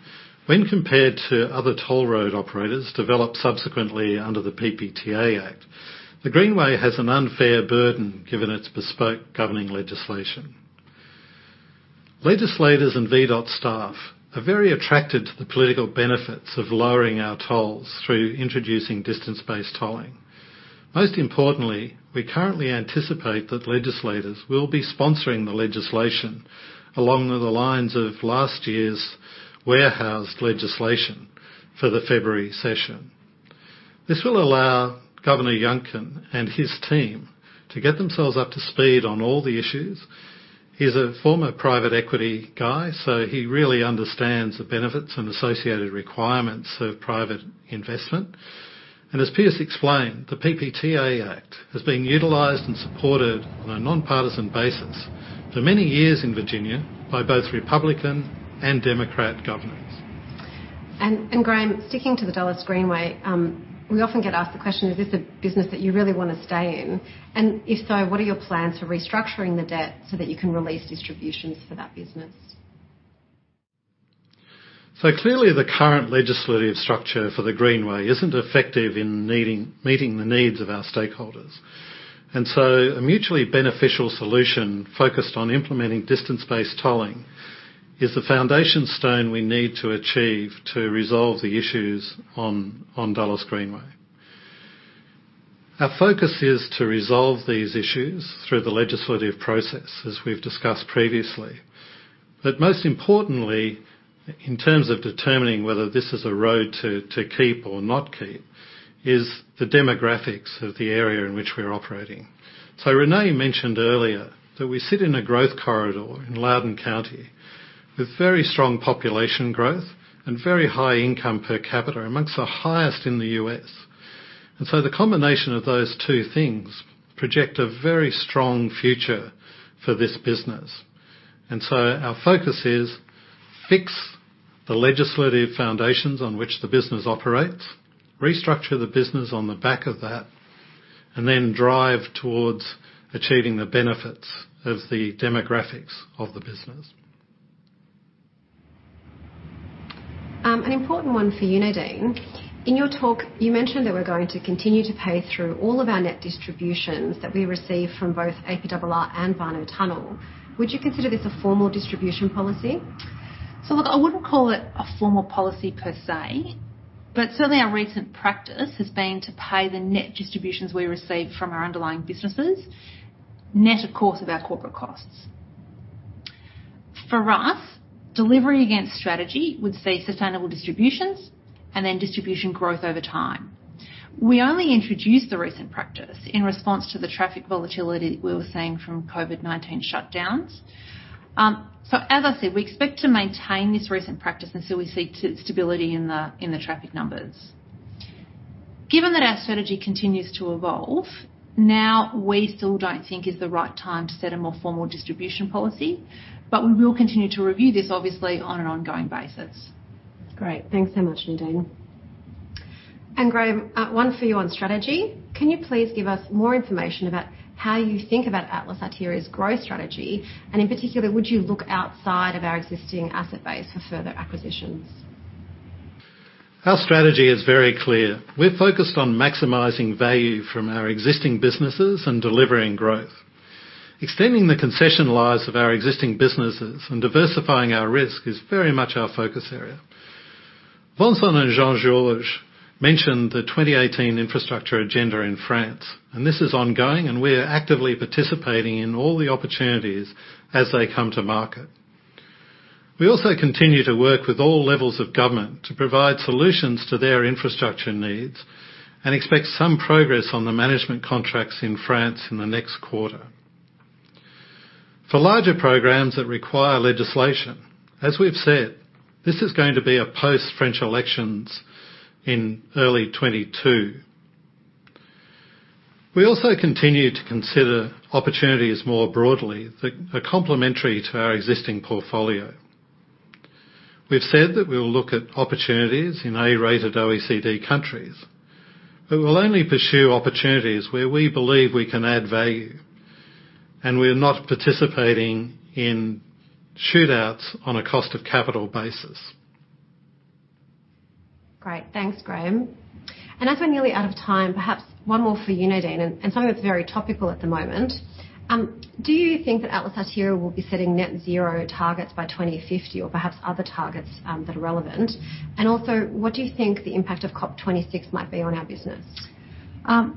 when compared to other toll road operators developed subsequently under the PPTA Act, the Greenway has an unfair burden given its bespoke governing legislation. Legislators and VDOT staff are very attracted to the political benefits of lowering our tolls through introducing distance-based tolling. Most importantly, we currently anticipate that legislators will be sponsoring the legislation along the lines of last year's warehoused legislation for the February session. This will allow Governor Youngkin and his team to get themselves up to speed on all the issues. He's a former private equity guy, so he really understands the benefits and associated requirements of private investment. As Pierce explained, the PPTA Act has been utilized and supported on a nonpartisan basis for many years in Virginia by both Republican and Democrat governors. Graeme, sticking to the Dulles Greenway, we often get asked the question, is this a business that you really wanna stay in? If so, what are your plans for restructuring the debt so that you can release distributions for that business? Clearly, the current legislative structure for the Greenway isn't effective in meeting the needs of our stakeholders. A mutually beneficial solution focused on implementing distance-based tolling is the foundation stone we need to achieve to resolve the issues on Dulles Greenway. Our focus is to resolve these issues through the legislative process, as we've discussed previously. Most importantly, in terms of determining whether this is a road to keep or not keep is the demographics of the area in which we're operating. Renée mentioned earlier that we sit in a growth corridor in Loudoun County with very strong population growth and very high income per capita, among the highest in the U.S. The combination of those two things project a very strong future for this business. Our focus is to fix the legislative foundations on which the business operates, restructure the business on the back of that, and then drive towards achieving the benefits of the demographics of the business. An important one for you, Nadine. In your talk, you mentioned that we're going to continue to pay through all of our net distributions that we receive from both APRR and Warnow Tunnel. Would you consider this a formal distribution policy? Look, I wouldn't call it a formal policy per se, but certainly our recent practice has been to pay the net distributions we receive from our underlying businesses, net of course of our corporate costs. For us, delivery against strategy would see sustainable distributions and then distribution growth over time. We only introduced the recent practice in response to the traffic volatility we were seeing from COVID-19 shutdowns. As I said, we expect to maintain this recent practice until we see stability in the traffic numbers. Given that our strategy continues to evolve, now we still don't think is the right time to set a more formal distribution policy, but we will continue to review this obviously on an ongoing basis. Great. Thanks so much, Nadine. Graeme, one for you on strategy. Can you please give us more information about how you think about Atlas Arteria's growth strategy, and in particular, would you look outside of our existing asset base for further acquisitions? Our strategy is very clear. We're focused on maximizing value from our existing businesses and delivering growth. Extending the concession lives of our existing businesses and diversifying our risk is very much our focus area. Vincent and Jean-Georges mentioned the 2018 infrastructure agenda in France, and this is ongoing, and we are actively participating in all the opportunities as they come to market. We also continue to work with all levels of government to provide solutions to their infrastructure needs and expect some progress on the management contracts in France in the next quarter. For larger programs that require legislation, as we've said, this is going to be a post-French elections in early 2022. We also continue to consider opportunities more broadly that are complementary to our existing portfolio. We've said that we will look at opportunities in A-rated OECD countries, but we'll only pursue opportunities where we believe we can add value, and we're not participating in shootouts on a cost of capital basis. Great. Thanks, Graeme. As we're nearly out of time, perhaps one more for you, Nadine, and something that's very topical at the moment. Do you think that Atlas Arteria will be setting net zero targets by 2050 or perhaps other targets that are relevant? Also, what do you think the impact of COP26 might be on our business?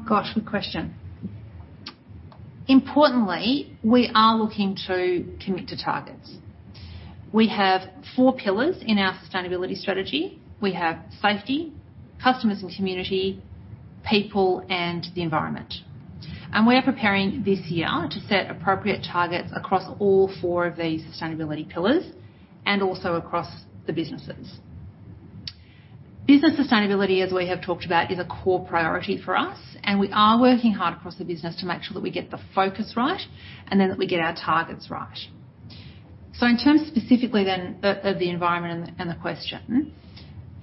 Gosh, good question. Importantly, we are looking to commit to targets. We have four pillars in our sustainability strategy. We have safety, customers and community, people, and the environment. We are preparing this year to set appropriate targets across all four of these sustainability pillars and also across the businesses. Business sustainability, as we have talked about, is a core priority for us, and we are working hard across the business to make sure that we get the focus right and then that we get our targets right. In terms specifically then of the environment and the question,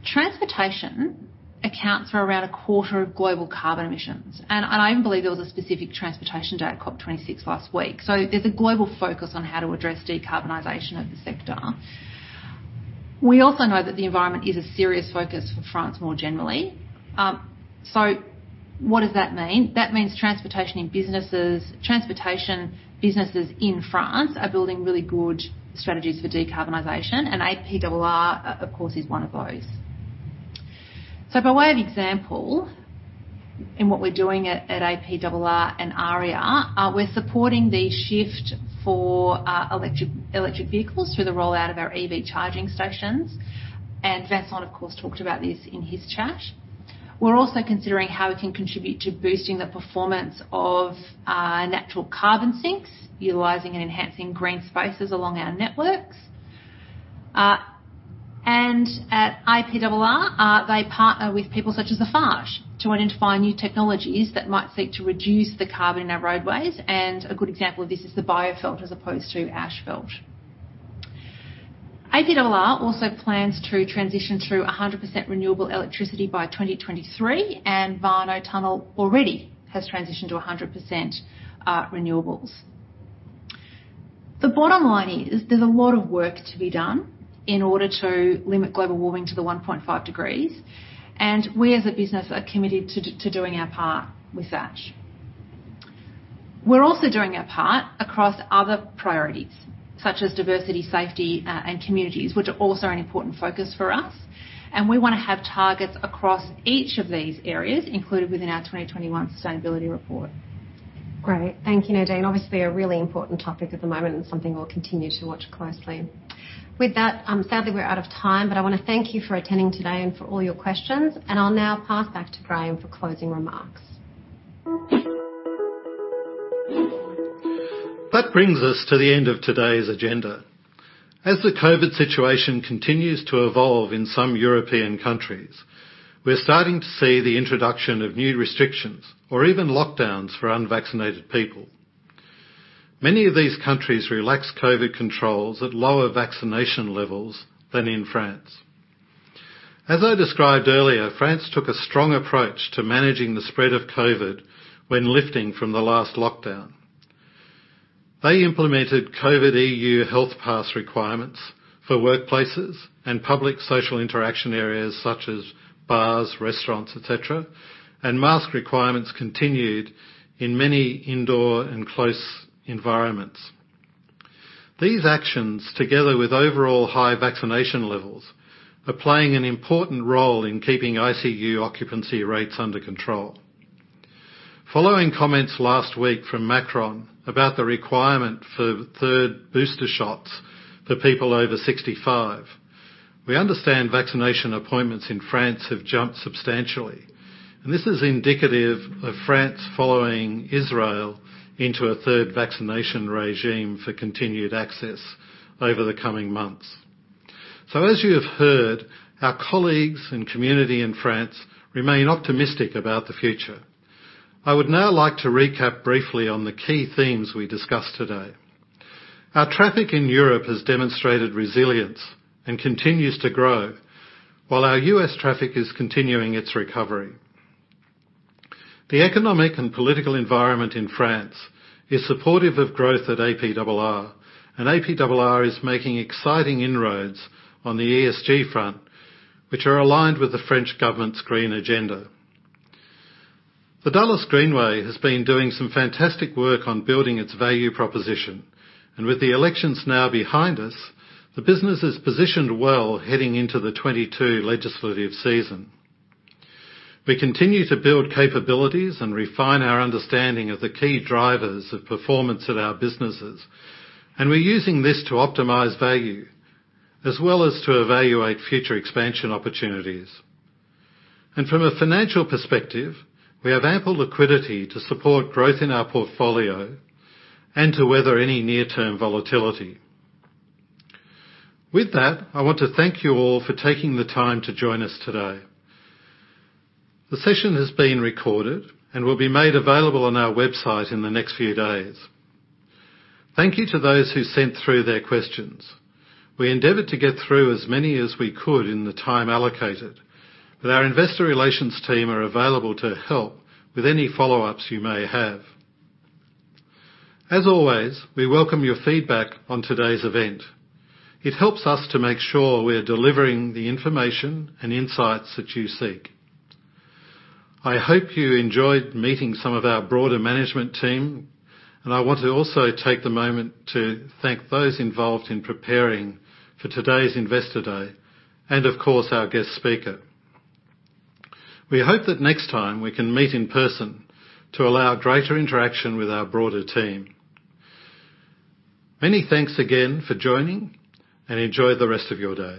transportation accounts for around a quarter of global carbon emissions, and I believe there was a specific transportation day at COP26 last week. There's a global focus on how to address decarbonization of the sector. We also know that the environment is a serious focus for France more generally. What does that mean? That means transportation businesses in France are building really good strategies for decarbonization, and APRR, of course, is one of those. By way of example, in what we're doing at APRR and AREA, we're supporting the shift for electric vehicles through the rollout of our EV charging stations, and Vincent of course talked about this in his chat. We're also considering how we can contribute to boosting the performance of natural carbon sinks, utilizing and enhancing green spaces along our networks. At APRR, they partner with people such as Lafarge to identify new technologies that might seek to reduce the carbon in our roadways, and a good example of this is the bioasphalt as opposed to asphalt. APRR also plans to transition to 100% renewable electricity by 2023, and Warnow Tunnel already has transitioned to 100% renewables. The bottom line is there's a lot of work to be done in order to limit global warming to the 1.5 degrees, and we as a business are committed to doing our part with that. We're also doing our part across other priorities such as diversity, safety, and communities, which are also an important focus for us, and we wanna have targets across each of these areas included within our 2021 sustainability report. Great. Thank you, Nadine. Obviously a really important topic at the moment and something we'll continue to watch closely. With that, sadly we're out of time, but I wanna thank you for attending today and for all your questions, and I'll now pass back to Graeme for closing remarks. That brings us to the end of today's agenda. As the COVID situation continues to evolve in some European countries, we're starting to see the introduction of new restrictions or even lockdowns for unvaccinated people. Many of these countries relaxed COVID controls at lower vaccination levels than in France. As I described earlier, France took a strong approach to managing the spread of COVID when lifting from the last lockdown. They implemented COVID EU Health Pass requirements for workplaces and public social interaction areas such as bars, restaurants, et cetera, and mask requirements continued in many indoor and close environments. These actions, together with overall high vaccination levels, are playing an important role in keeping ICU occupancy rates under control. Following comments last week from Macron about the requirement for third booster shots for people over 65, we understand vaccination appointments in France have jumped substantially, and this is indicative of France following Israel into a third vaccination regime for continued access over the coming months. As you have heard, our colleagues and community in France remain optimistic about the future. I would now like to recap briefly on the key themes we discussed today. Our traffic in Europe has demonstrated resilience and continues to grow, while our U.S. traffic is continuing its recovery. The economic and political environment in France is supportive of growth at APRR, and APRR is making exciting inroads on the ESG front, which are aligned with the French government's green agenda. The Dulles Greenway has been doing some fantastic work on building its value proposition, and with the elections now behind us, the business is positioned well heading into the 2022 legislative season. We continue to build capabilities and refine our understanding of the key drivers of performance at our businesses, and we're using this to optimize value as well as to evaluate future expansion opportunities. From a financial perspective, we have ample liquidity to support growth in our portfolio and to weather any near-term volatility. With that, I want to thank you all for taking the time to join us today. The session has been recorded and will be made available on our website in the next few days. Thank you to those who sent through their questions. We endeavored to get through as many as we could in the time allocated, but our investor relations team are available to help with any follow-ups you may have. As always, we welcome your feedback on today's event. It helps us to make sure we're delivering the information and insights that you seek. I hope you enjoyed meeting some of our broader management team, and I want to also take the moment to thank those involved in preparing for today's Investor Day and of course our guest speaker. We hope that next time we can meet in person to allow greater interaction with our broader team. Many thanks again for joining and enjoy the rest of your day.